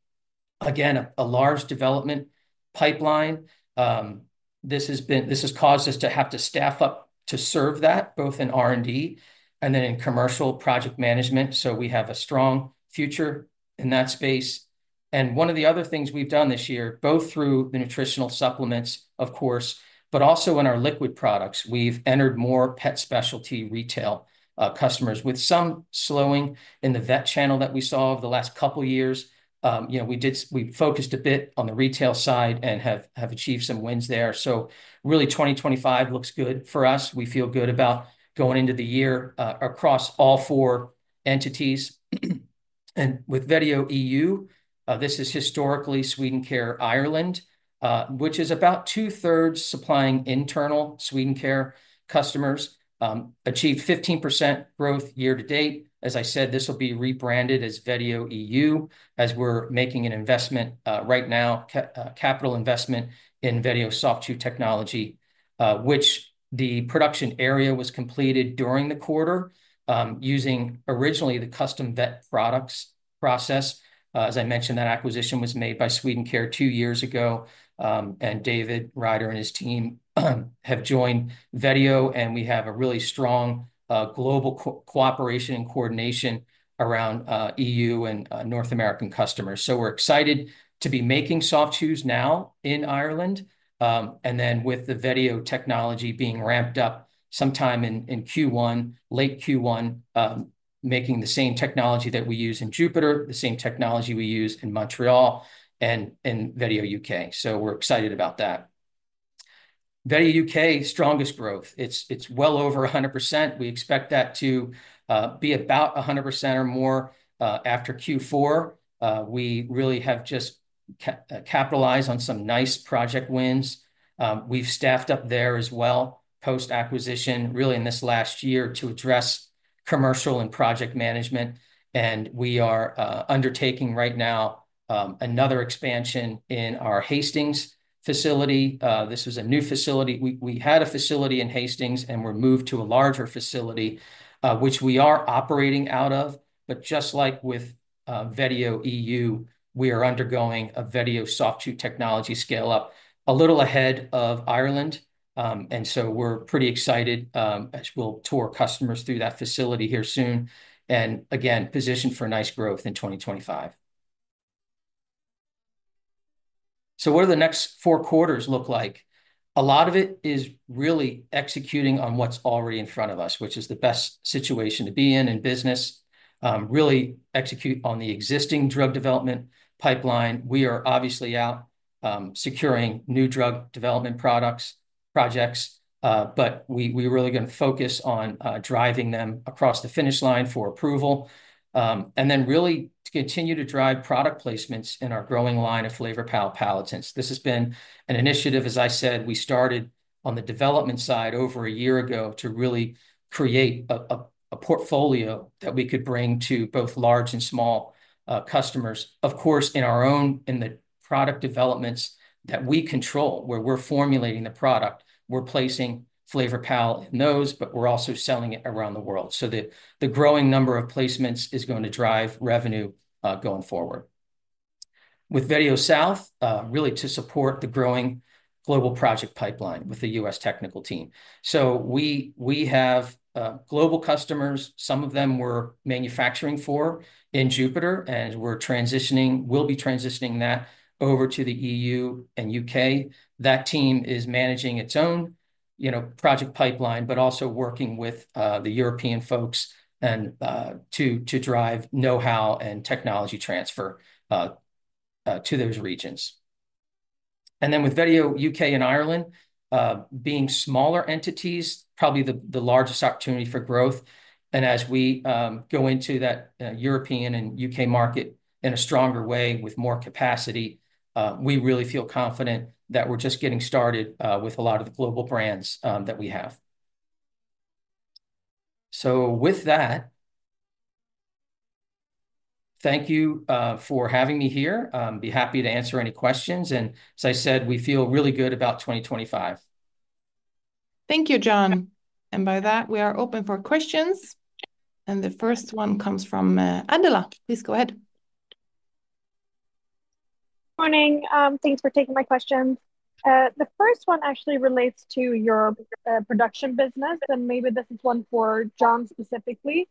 Again, a large development pipeline. This has caused us to have to staff up to serve that, both in R&D and then in commercial project management, so we have a strong future in that space. And one of the other things we've done this year, both through the nutritional supplements, of course, but also in our liquid products, we've entered more pet specialty retail customers. With some slowing in the vet channel that we saw over the last couple years, you know, we focused a bit on the retail side and have achieved some wins there, so really 2025 looks good for us. We feel good about going into the year across all four entities, and with Vetio E.U..,. this is historically Swedencare Ireland, which is about two-thirds supplying internal Swedencare customers, achieved 15% growth year to date. As I said, this will be rebranded as Vetio E.U., as we're making an investment right now, capital investment in Vetio Soft Chew technology, which the production area was completed during the quarter, using originally the Custom Vet Products process. As I mentioned, that acquisition was made by Swedencare two years ago, and David Ryder and his team have joined Vetio, and we have a really strong global cooperation and coordination around EU and North American customers. So we're excited to be making Soft Shews now in Ireland. And then with the Vetio technology being ramped up sometime in late Q1, making the same technology that we use in Jupiter, the same technology we use in Montreal, and in Vetio U.K. So we're excited about that. Vetio U.K., strongest growth. It's well over 100%. We expect that to be about 100% or more after Q4. We really have just capitalized on some nice project wins. We've staffed up there as well, post-acquisition, really in this last year, to address commercial and project management, and we are undertaking right now another expansion in our Hastings facility. This was a new facility. We had a facility in Hastings, and we're moved to a larger facility, which we are operating out of, but just like with Vetio E.U., we are undergoing a Vetio Soft Chew technology scale-up, a little ahead of Ireland. And so we're pretty excited, as we'll tour customers through that facility here soon, and again, positioned for a nice growth in 2025. So what do the next four quarters look like? A lot of it is really executing on what's already in front of us, which is the best situation to be in in business. Really execute on the existing drug development pipeline. We are obviously out securing new drug development products, projects, but we're really gonna focus on driving them across the finish line for approval, and then really to continue to drive product placements in our growing line of FlavorPal palatants. This has been an initiative, as I said, we started on the development side over a year ago, to really create a portfolio that we could bring to both large and small customers. Of course, in our own product developments that we control, where we're formulating the product, we're placing FlavorPal in those, but we're also selling it around the world. So the growing number of placements is going to drive revenue going forward. With Vetio South really to support the growing global project pipeline with the U.S. technical team. So we have global customers, some of them we're manufacturing for in Jupiter, and we're transitioning. We'll be transitioning that over to the E.U. and U.K. That team is managing its own, you know, project pipeline, but also working with the European folks and to drive know-how and technology transfer to those regions. And then with Vetio U.K. and Ireland being smaller entities, probably the largest opportunity for growth. And as we go into that European and U.K. market in a stronger way with more capacity, we really feel confident that we're just getting started with a lot of the global brands that we have. So with that, thank you for having me here. Be happy to answer any questions, and as I said, we feel really good about 2025. Thank you, John. And by that, we are open for questions, and the first one comes from Adela. Please go ahead. ... Morning. Thanks for taking my questions. The first one actually relates to your production business, and maybe this is one for John specifically.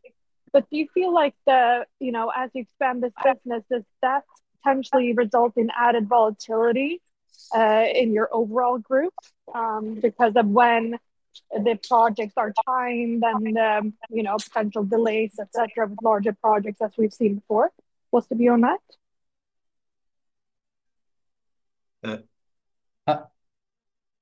But do you feel like the, you know, as you expand this business, does that potentially result in added volatility in your overall group, because of when the projects are timed and, you know, potential delays, et cetera, with larger projects as we've seen before? Most of you on that. Uh, uh,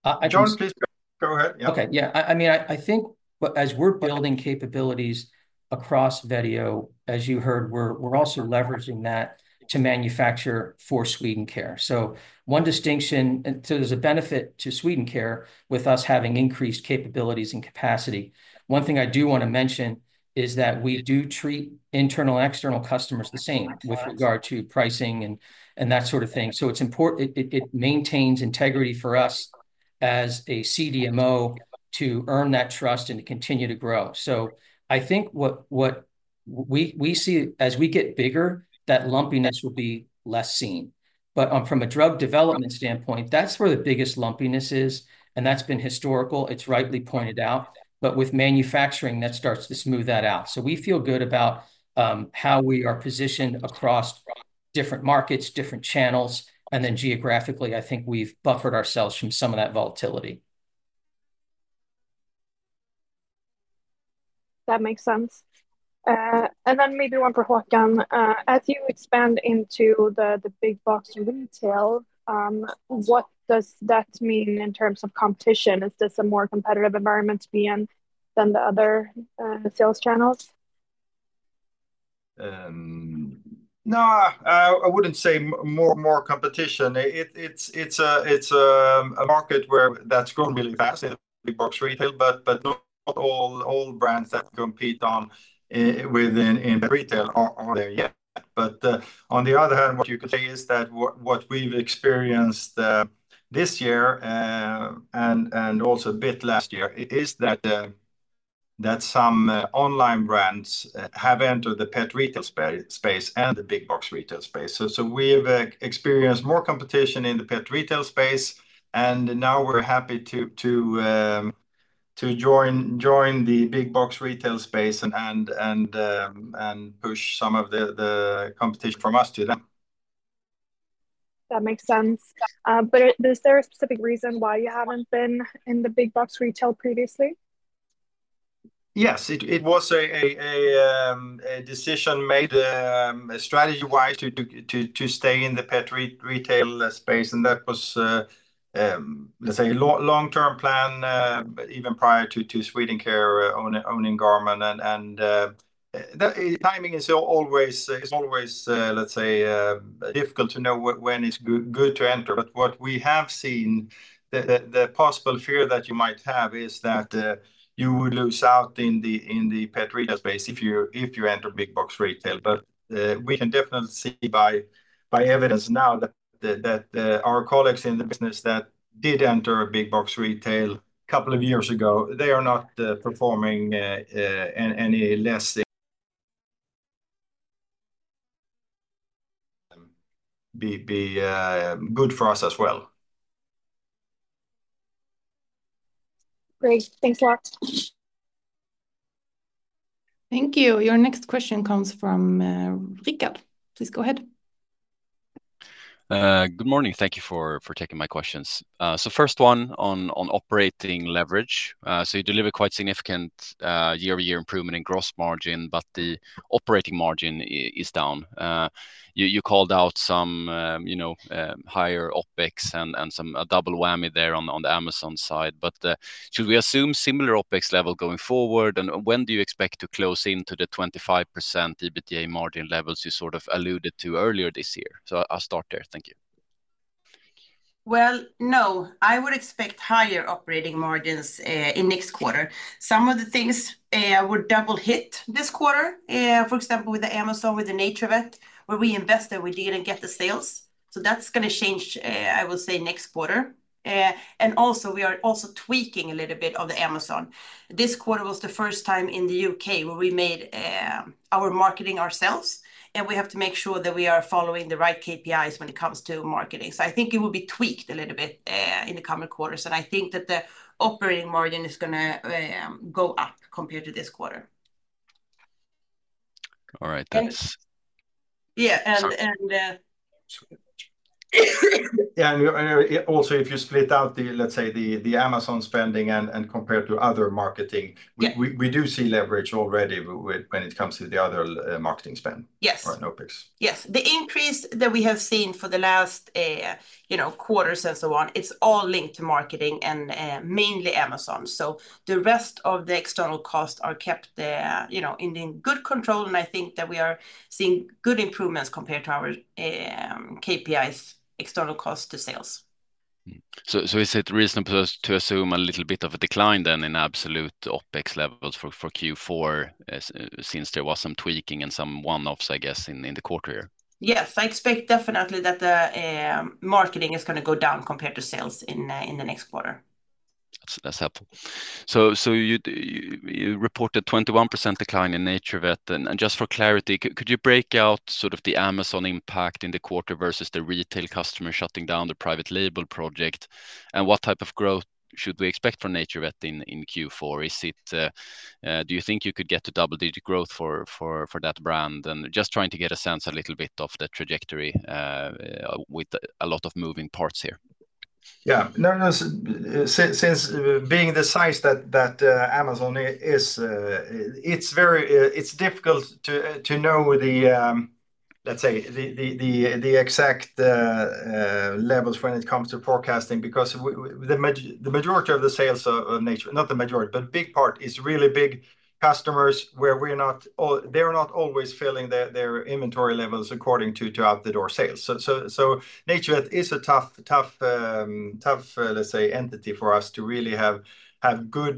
I- John, please go ahead. Yeah. Okay. Yeah, I mean, I think, but as we're building capabilities across Vetio, as you heard, we're also leveraging that to manufacture for Swedencare. So one distinction, and so there's a benefit to Swedencare with us having increased capabilities and capacity. One thing I do want to mention is that we do treat internal and external customers the same- Right... with regard to pricing and that sort of thing. So it's important it maintains integrity for us as a CDMO to earn that trust and to continue to grow. So I think what we see as we get bigger, that lumpiness will be less seen. But from a drug development standpoint, that's where the biggest lumpiness is, and that's been historical. It's rightly pointed out, but with manufacturing, that starts to smooth that out. So we feel good about how we are positioned across different markets, different channels, and then geographically, I think we've buffered ourselves from some of that volatility. That makes sense, and then maybe one for Håkan. As you expand into the big box retail, what does that mean in terms of competition? Is this a more competitive environment to be in than the other sales channels? No, I wouldn't say more competition. It's a market where that's grown really fast in big box retail, but not all brands that compete within pet retail are there yet. But on the other hand, what you could say is that what we've experienced this year and also a bit last year is that some online brands have entered the pet retail space and the big box retail space. So we've experienced more competition in the pet retail space, and now we're happy to join the big box retail space and push some of the competition from us to them. That makes sense, but is there a specific reason why you haven't been in the big box retail previously? Yes. It was a decision made strategy-wise to stay in the pet retail space, and that was, let's say, a long-term plan even prior to Swedencare owning Garmon. And the timing is always, let's say, difficult to know when it's good to enter. But what we have seen, the possible fear that you might have is that you would lose out in the pet retail space if you enter big box retail. But we can definitely see by evidence now that our colleagues in the business that did enter big box retail a couple of years ago, they are not performing any less than... Be good for us as well. Great. Thanks a lot. Thank you. Your next question comes from Rickard. Please go ahead. Good morning. Thank you for taking my questions. So first one on operating leverage. So you deliver quite significant year-over-year improvement in gross margin, but the operating margin is down. You called out some, you know, higher OpEx and some, a double whammy there on the Amazon side. But should we assume similar OpEx level going forward, and when do you expect to close in to the 25% EBITDA margin levels you sort of alluded to earlier this year? So I'll start there. Thank you. No, I would expect higher operating margins in next quarter. Some of the things were double hit this quarter, for example, with the Amazon, with the NaturVet, where we invested, we didn't get the sales. So that's gonna change, I will say, next quarter. And also, we are also tweaking a little bit of the Amazon. This quarter was the first time in the UK where we made our marketing ourselves, and we have to make sure that we are following the right KPIs when it comes to marketing. So I think it will be tweaked a little bit in the coming quarters, and I think that the operating margin is gonna go up compared to this quarter. All right, thanks. Yeah, and, Yeah, and also, if you split out the, let's say, the Amazon spending and compared to other marketing- Yeah... we do see leverage already with when it comes to the other marketing spend- Yes... or OpEx. Yes. The increase that we have seen for the last, you know, quarters and so on, it's all linked to marketing and, mainly Amazon. So the rest of the external costs are kept, you know, in good control, and I think that we are seeing good improvements compared to our KPIs, external cost to sales. Is it reasonable to assume a little bit of a decline then in absolute OpEx levels for Q4, since there was some tweaking and some one-offs, I guess, in the quarter here? Yes, I expect definitely that the marketing is gonna go down compared to sales in the next quarter.... That's helpful. So you reported 21% decline in NaturVet. And just for clarity, could you break out sort of the Amazon impact in the quarter versus the retail customer shutting down the private label project? And what type of growth should we expect from NaturVet in Q4? Is it, do you think you could get to double-digit growth for that brand? And just trying to get a sense a little bit of the trajectory with a lot of moving parts here. Yeah. No, no, since being the size that Amazon is, it's very. It's difficult to know the, let's say, the exact levels when it comes to forecasting, because the majority of the sales are NaturVet - not the majority, but big part is really big customers where they're not always filling their inventory levels according to out-the-door sales. So NaturVet is a tough, let's say, entity for us to really have good,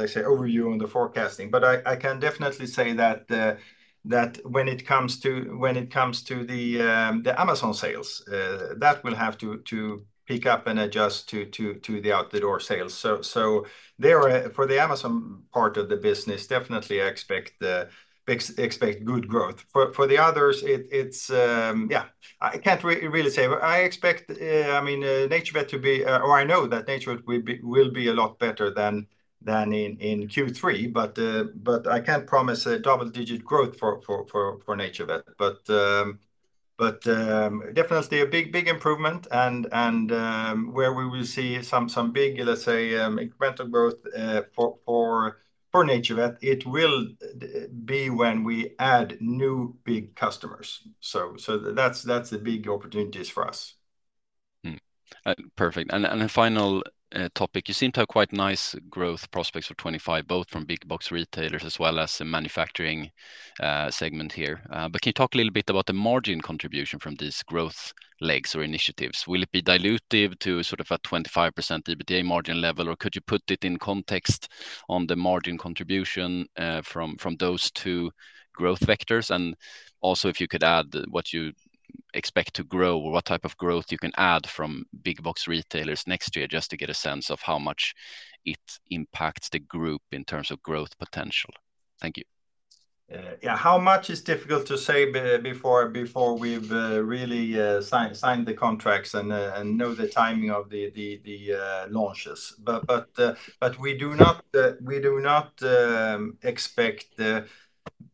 let's say, overview on the forecasting. But I can definitely say that when it comes to the Amazon sales, that will have to pick up and adjust to the out-the-door sales. So, for the Amazon part of the business, definitely I expect good growth. For the others, it's yeah, I can't really say. I expect, I mean, NaturVet to be, or I know that NaturVet will be a lot better than in Q3, but I can't promise a double-digit growth for NaturVet. But definitely a big improvement and where we will see some big, let's say, incremental growth for NaturVet, it will be when we add new big customers. So that's the big opportunities for us. Perfect. And a final topic: you seem to have quite nice growth prospects for 2025, both from big box retailers as well as the manufacturing segment here. But can you talk a little bit about the margin contribution from these growth legs or initiatives? Will it be dilutive to sort of a 25% EBITDA margin level, or could you put it in context on the margin contribution from those two growth vectors? And also, if you could add what you expect to grow or what type of growth you can add from big box retailers next year, just to get a sense of how much it impacts the group in terms of growth potential. Thank you. Yeah. How much is difficult to say before we've really signed the contracts and know the timing of the launches, but we do not expect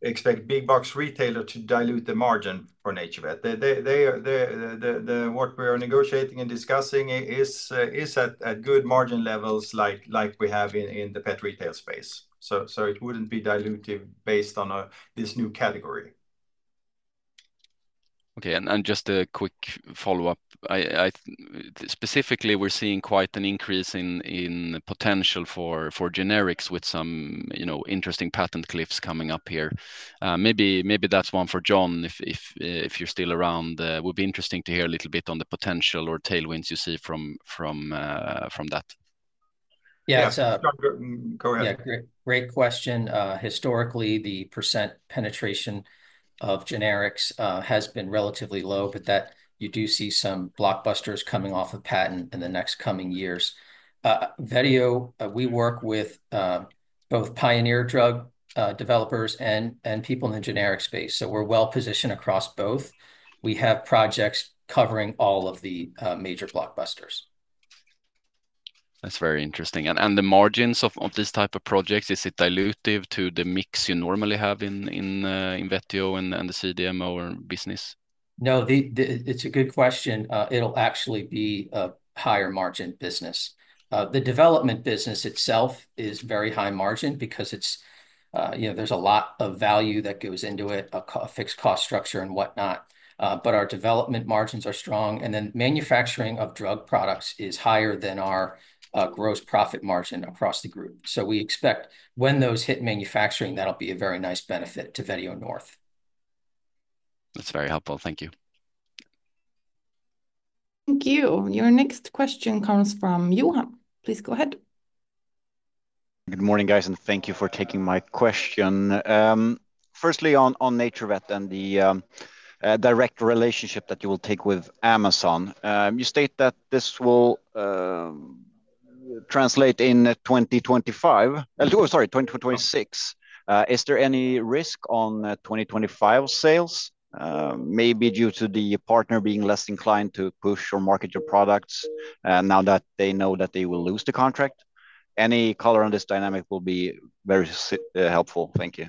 big box retailer to dilute the margin for NaturVet. They, that's what we are negotiating and discussing is at good margin levels like we have in the pet retail space. So it wouldn't be dilutive based on this new category. Okay, just a quick follow-up. Specifically, we're seeing quite an increase in potential for generics with some, you know, interesting patent cliffs coming up here. Maybe that's one for John, if you're still around. Would be interesting to hear a little bit on the potential or tailwinds you see from that. Yeah, so- Yeah. Go ahead. Yeah, great, great question. Historically, the percent penetration of generics has been relatively low, but that you do see some blockbusters coming off of patent in the next coming years. Vetio, we work with both pioneer drug developers and people in the generic space, so we're well-positioned across both. We have projects covering all of the major blockbusters. That's very interesting, and the margins of this type of project, is it dilutive to the mix you normally have in Vetio and the CDMO business? No, it's a good question. It'll actually be a higher margin business. The development business itself is very high margin because it's, you know, there's a lot of value that goes into it, a fixed cost structure and whatnot. But our development margins are strong, and then manufacturing of drug products is higher than our gross profit margin across the group. So we expect when those hit manufacturing, that'll be a very nice benefit to Vetio North. That's very helpful. Thank you. Thank you. Your next question comes from Johan. Please go ahead. Good morning, guys, and thank you for taking my question. Firstly, on NaturVet and the direct relationship that you will take with Amazon, you state that this will translate in 2025, sorry, 2026. Is there any risk on 2025 sales, maybe due to the partner being less inclined to push or market your products, now that they know that they will lose the contract? Any color on this dynamic will be very helpful. Thank you.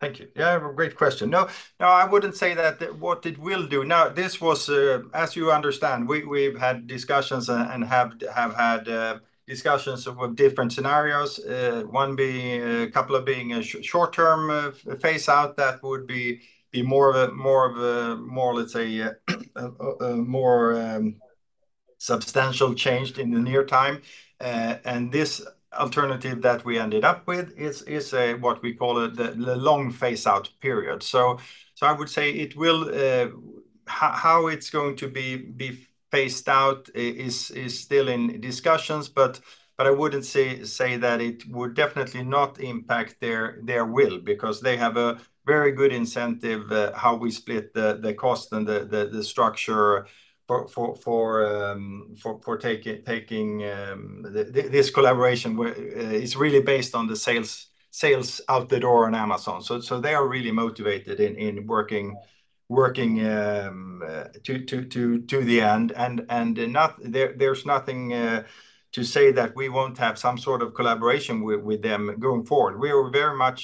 Thank you. Yeah, a great question. No, no, I wouldn't say that, that what it will do. Now, this was, as you understand, we've had discussions and have had discussions with different scenarios, one being, a couple of being a short-term phase out that would be more of a, more of a, more, let's say, a more substantial change in the near time. And this alternative that we ended up with is a what we call the long phase-out period. I would say it will how it's going to be phased out is still in discussions, but I wouldn't say that it would definitely not impact their will, because they have a very good incentive how we split the cost and the structure for taking this collaboration where it's really based on the sales out the door on Amazon. So they are really motivated in working to the end, and there's nothing to say that we won't have some sort of collaboration with them going forward. We are very much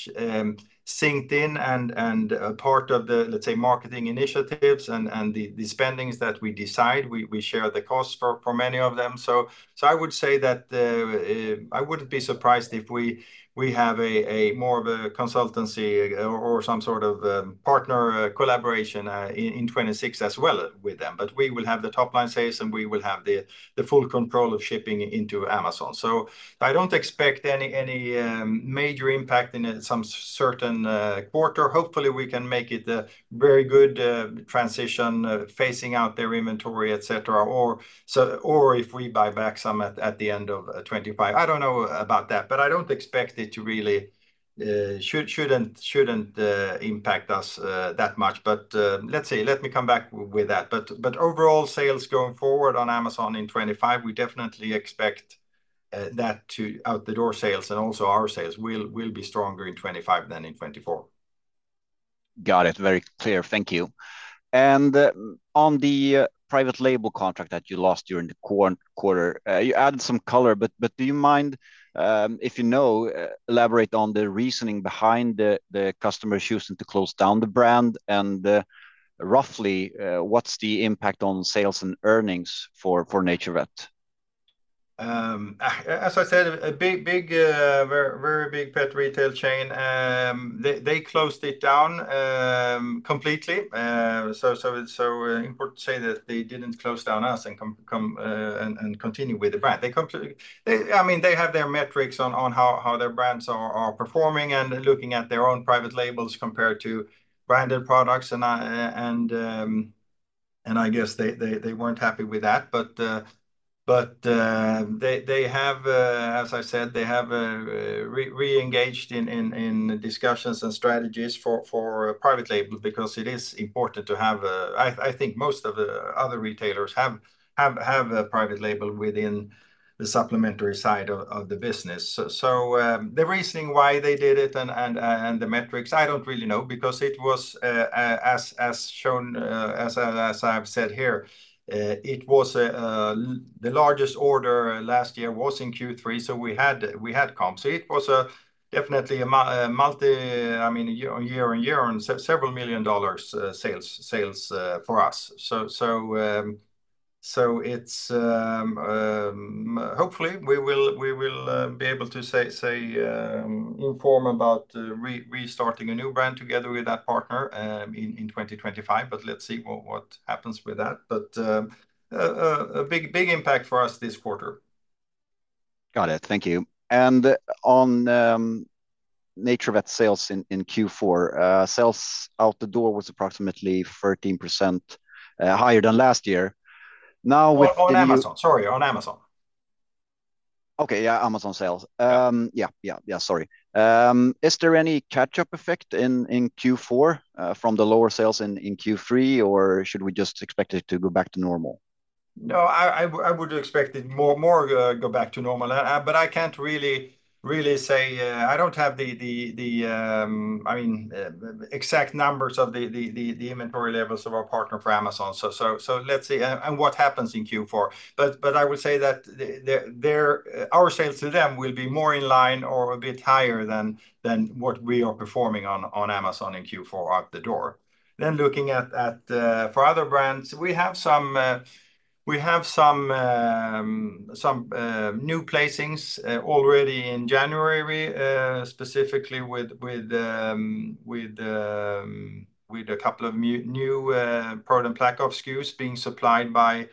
synced in and a part of the, let's say, marketing initiatives and the spendings that we decide. We share the costs for many of them. So I would say that I wouldn't be surprised if we have a more of a consultancy or some sort of partner collaboration in 2026 as well with them. But we will have the top-line sales, and we will have the full control of shipping into Amazon. So I don't expect any major impact in some certain quarter. Hopefully, we can make it a very good transition phasing out their inventory, et cetera, or so. Or if we buy back some at the end of 2025. I don't know about that, but I don't expect it to really shouldn't impact us that much. But let's see. Let me come back with that. But overall, sales going forward on Amazon in 2025, we definitely expect that to out-the-door sales and also our sales will be stronger in 2025 than in 2024. Got it. Very clear. Thank you. And, on the private label contract that you lost during the quarter, you added some color, but do you mind, if you know, elaborate on the reasoning behind the customer choosing to close down the brand? And, roughly, what's the impact on sales and earnings for NaturVet? As I said, a big, big, very, very big pet retail chain, they closed it down completely. So it's so important to say that they didn't close down us, and come and continue with the brand. They completely. They, I mean, they have their metrics on how their brands are performing and looking at their own private labels compared to branded products. And I guess they weren't happy with that. But they have, as I said, they have re-engaged in discussions and strategies for private label, because it is important to have. I think most of the other retailers have a private label within the supplementary side of the business. So, the reasoning why they did it and the metrics, I don't really know, because it was as shown, as I've said here. It was the largest order last year in Q3, so we had comp. So it was definitely a multi, I mean, year-on-year several million dollars sales for us. So, hopefully we will be able to inform about restarting a new brand together with that partner in 2025, but let's see what happens with that. But a big impact for us this quarter. Got it. Thank you. And on NaturVet sales in Q4, sales out the door was approximately 13% higher than last year. Now, with the new- On Amazon. Sorry, on Amazon. Okay, yeah, Amazon sales. Yeah. Yeah, sorry. Is there any catch-up effect in Q4 from the lower sales in Q3, or should we just expect it to go back to normal? No, I would expect it more go back to normal, but I can't really say... I don't have the I mean exact numbers of the inventory levels of our partner for Amazon, so let's see, and what happens in Q4, but I would say that our sales to them will be more in line or a bit higher than what we are performing on Amazon in Q4 out the door. Then looking at for other brands, we have some new placements already in January, specifically with a couple of new ProDen PlaqueOff SKUs being supplied by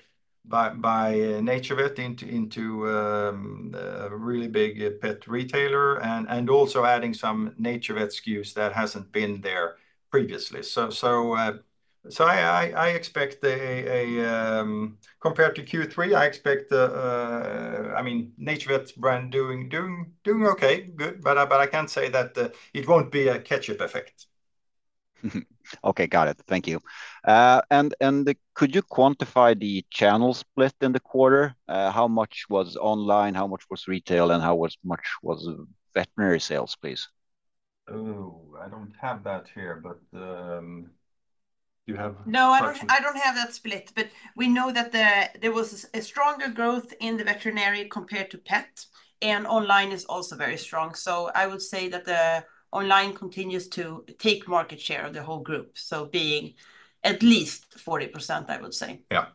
NaturVet into a really big pet retailer, and also adding some NaturVet SKUs that hasn't been there previously. So I expect a compared to Q3, I expect. I mean, NaturVet brand doing okay, good, but I can't say that it won't be a catch-up effect. Okay. Got it. Thank you. And could you quantify the channel split in the quarter? How much was online, how much was retail, and how much was veterinary sales, please? Oh, I don't have that here, but, do you have- No, I don't, I don't have that split, but we know that there was a stronger growth in the veterinary compared to pet, and online is also very strong. So I would say that the online continues to take market share of the whole group, so being at least 40%, I would say. Yeah.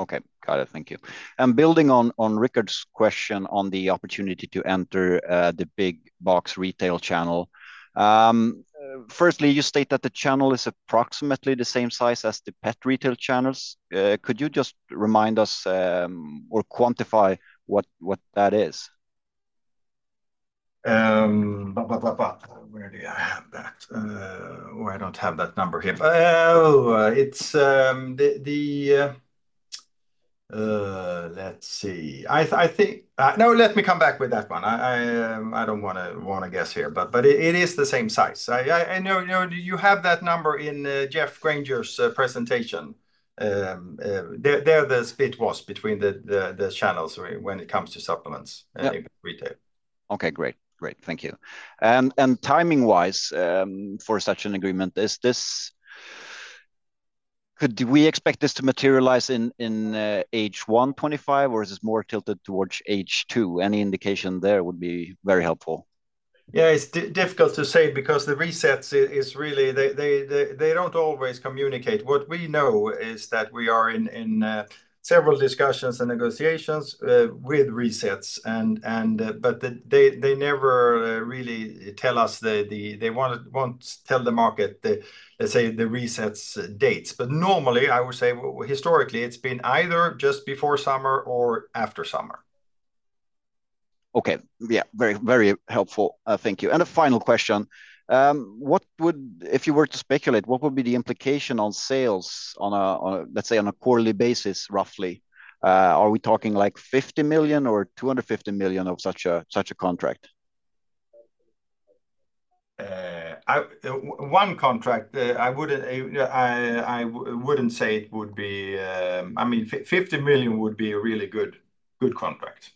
Okay. Got it. Thank you. And building on Rickard's question on the opportunity to enter the big box retail channel. Firstly, you state that the channel is approximately the same size as the pet retail channels. Could you just remind us or quantify what that is? Where do I have that? Well, I don't have that number here. Oh, it's the... Let's see. Let me come back with that one. I don't wanna guess here, but it is the same size. You know, you have that number in Geoff Granger's presentation. The split was between the channels when it comes to supplements- Yeah. In retail. Okay, great. Great, thank you. And timing-wise, for such an agreement, could we expect this to materialize in H1 2025, or is this more tilted towards H2? Any indication there would be very helpful. Yeah, it's difficult to say because the resets is really, they don't always communicate. What we know is that we are in several discussions and negotiations with resets. But they never really tell us. They won't tell the market the, let's say, the resets dates. Normally, I would say, historically, it's been either just before summer or after summer. Okay. Yeah, very, very helpful. Thank you. And a final question: If you were to speculate, what would be the implication on sales on a quarterly basis, roughly? Are we talking, like, 50 million or 250 million of such a contract? One contract. I wouldn't say it would be. I mean, 50 million would be a really good contract.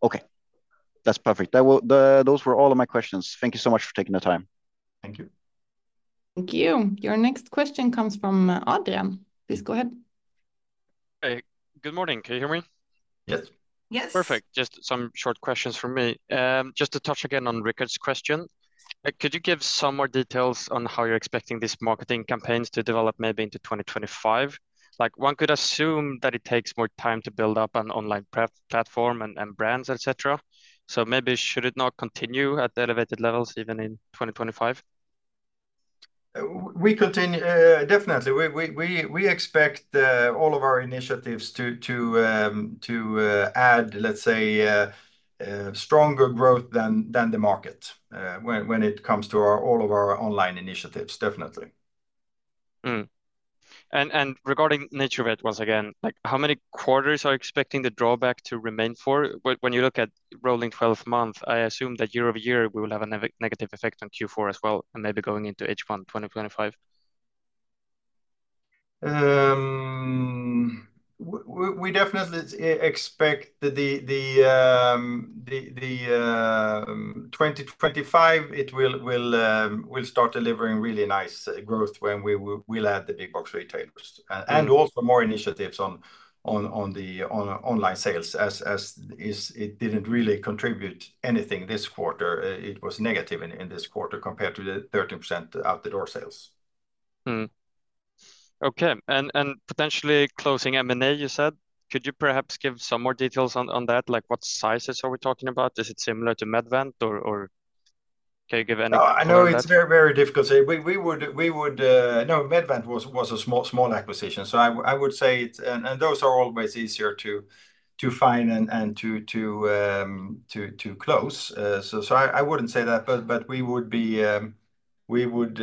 Okay, that's perfect. The, those were all of my questions. Thank you so much for taking the time. Thank you. Thank you. Your next question comes from, Adrian. Please go ahead. Hey, good morning. Can you hear me? Yes. Yes. Perfect. Just some short questions from me. Just to touch again on Richard's question, could you give some more details on how you're expecting these marketing campaigns to develop maybe into 2025? Like, one could assume that it takes more time to build up an online platform and brands, et cetera, so maybe should it not continue at the elevated levels, even in 2025? We continue, definitely, we expect all of our initiatives to add, let's say, stronger growth than the market when it comes to all of our online initiatives, definitely. Mm-hmm. And regarding NaturVet, once again, like, how many quarters are you expecting the drawback to remain for? When you look at rolling twelfth month, I assume that year over year, we will have a negative effect on Q4 as well, and maybe going into H1 2025. We definitely expect the 2025, it will start delivering really nice growth when we'll add the big box retailers. Mm-hmm. and also more initiatives on the online sales. It didn't really contribute anything this quarter. It was negative in this quarter compared to the 13% out the door sales. Okay, and potentially closing M&A, you said. Could you perhaps give some more details on that? Like, what sizes are we talking about? Is it similar to MedVant or can you give any- No, I know-... more on that? It's very difficult. We would... No, MedVant was a small acquisition, so I would say, and those are always easier to find and to close. So I wouldn't say that, but we would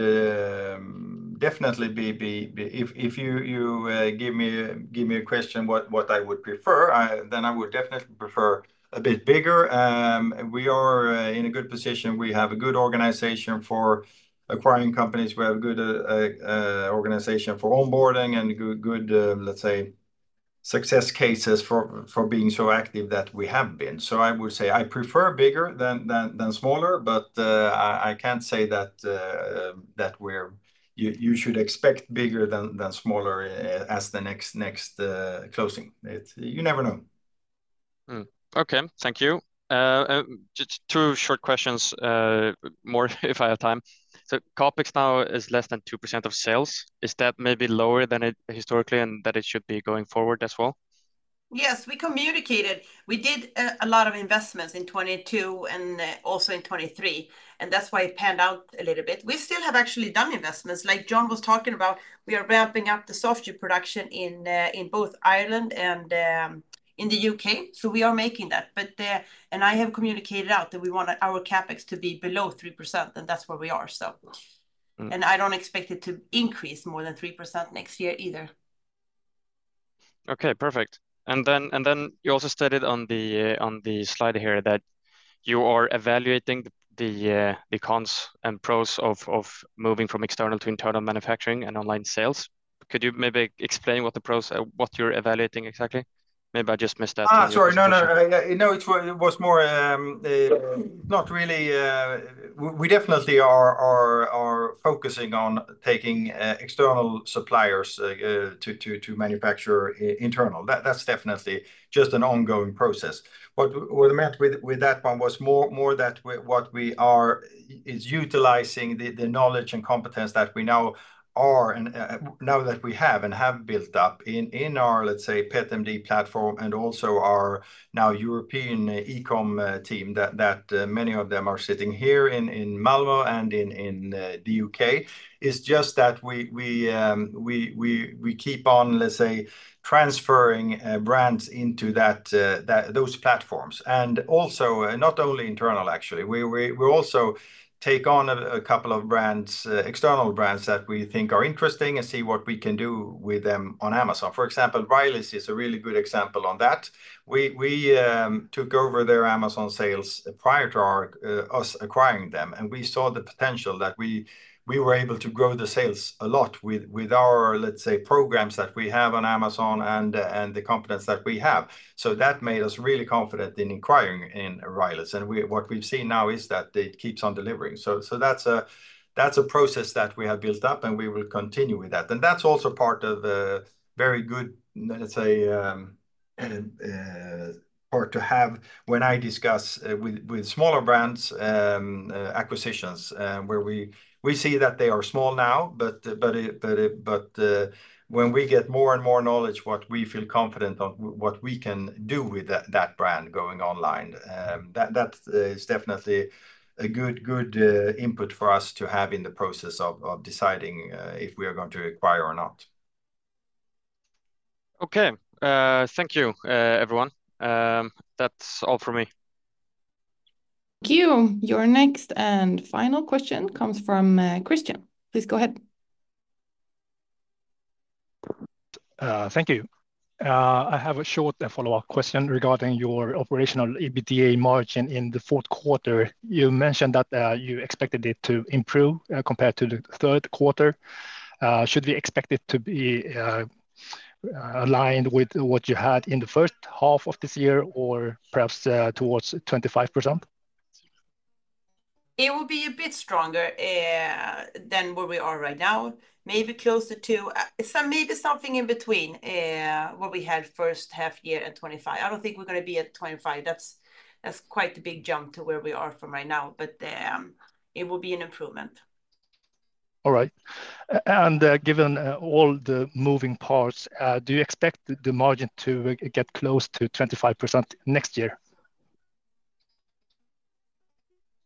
definitely be... If you give me a question what I would prefer, then I would definitely prefer a bit bigger. We are in a good position. We have a good organization for acquiring companies. We have a good organization for onboarding and good, let's say, success cases for being so active that we have been. So I would say I prefer bigger than smaller, but I can't say that you should expect bigger than smaller as the next closing. You never know. Mm-hmm. Okay, thank you. Just two short questions, more if I have time. So CapEx now is less than 2% of sales. Is that maybe lower than it historically, and that it should be going forward as well? Yes, we communicated. We did a lot of investments in 2022 and also in 2023, and that's why it panned out a little bit. We still have actually done investments, like John was talking about. We are ramping up the Soft Chew production in both Ireland and in the U.K., so we are making that. But, and I have communicated out that we want our CapEx to be below 3%, and that's where we are, so- Mm-hmm... and I don't expect it to increase more than 3% next year either. Okay, perfect. And then you also stated on the slide here that you are evaluating the cons and pros of moving from external to internal manufacturing and online sales. Could you maybe explain what the pros are, what you're evaluating exactly? Maybe I just missed that. Ah, sorry. in the presentation. No, it was more, not really. We definitely are focusing on taking to manufacture internal. That's definitely just an ongoing process. What I meant with that one was more that what we are is utilizing the knowledge and competence that we now are, and now that we have and have built up in our, let's say, PetMD platform, and also our now European e-com team, that many of them are sitting here in Malmö and in the U.K., is just that we keep on, let's say, transferring brands into that, those platforms. And also, not only internal, actually, we also take on a couple of brands, external brands that we think are interesting and see what we can do with them on Amazon. For example, Riley's is a really good example on that. We took over their Amazon sales prior to our acquiring them, and we saw the potential that we were able to grow the sales a lot with our, let's say, programs that we have on Amazon and the competence that we have. So that made us really confident in acquiring Riley's, and what we've seen now is that it keeps on delivering. So that's a process that we have built up, and we will continue with that. And that's also part of the very good, let's say... and or to have when I discuss with smaller brands acquisitions, where we see that they are small now, but when we get more and more knowledge, what we feel confident on what we can do with that brand going online, that is definitely a good input for us to have in the process of deciding if we are going to acquire or not. Okay. Thank you, everyone. That's all from me. Thank you. Your next and final question comes from Christian. Please go ahead. Thank you. I have a short follow-up question regarding your operational EBITDA margin in the fourth quarter. You mentioned that you expected it to improve compared to the third quarter. Should we expect it to be aligned with what you had in the first half of this year or perhaps towards 25%? It will be a bit stronger than where we are right now. Maybe closer to, so maybe something in between what we had first half year at 2025. I don't think we're gonna be at 2025. That's quite a big jump from where we are right now, but it will be an improvement. All right. And, given all the moving parts, do you expect the margin to get close to 25% next year?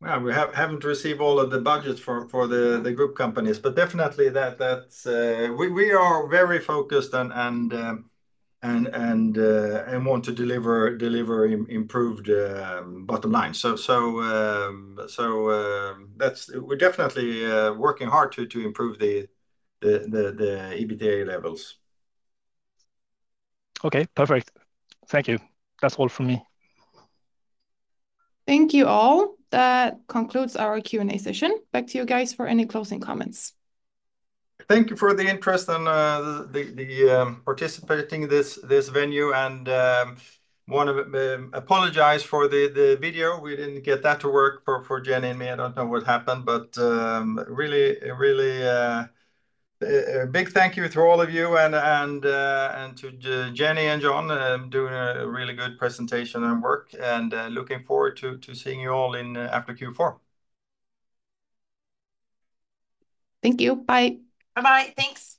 We haven't received all of the budgets for the group companies, but definitely that's. We are very focused and want to deliver improved bottom line. We're definitely working hard to improve the EBITDA levels. Okay, perfect. Thank you. That's all from me. Thank you all. That concludes our Q&A session. Back to you guys for any closing comments. Thank you for the interest and participation in this venue, and wanna apologize for the video. We didn't get that to work for Jenny and me. I don't know what happened, but really a big thank you to all of you, and to Jenny and John doing a really good presentation and work, and looking forward to seeing you all again after Q4. Thank you. Bye. Bye-bye. Thanks!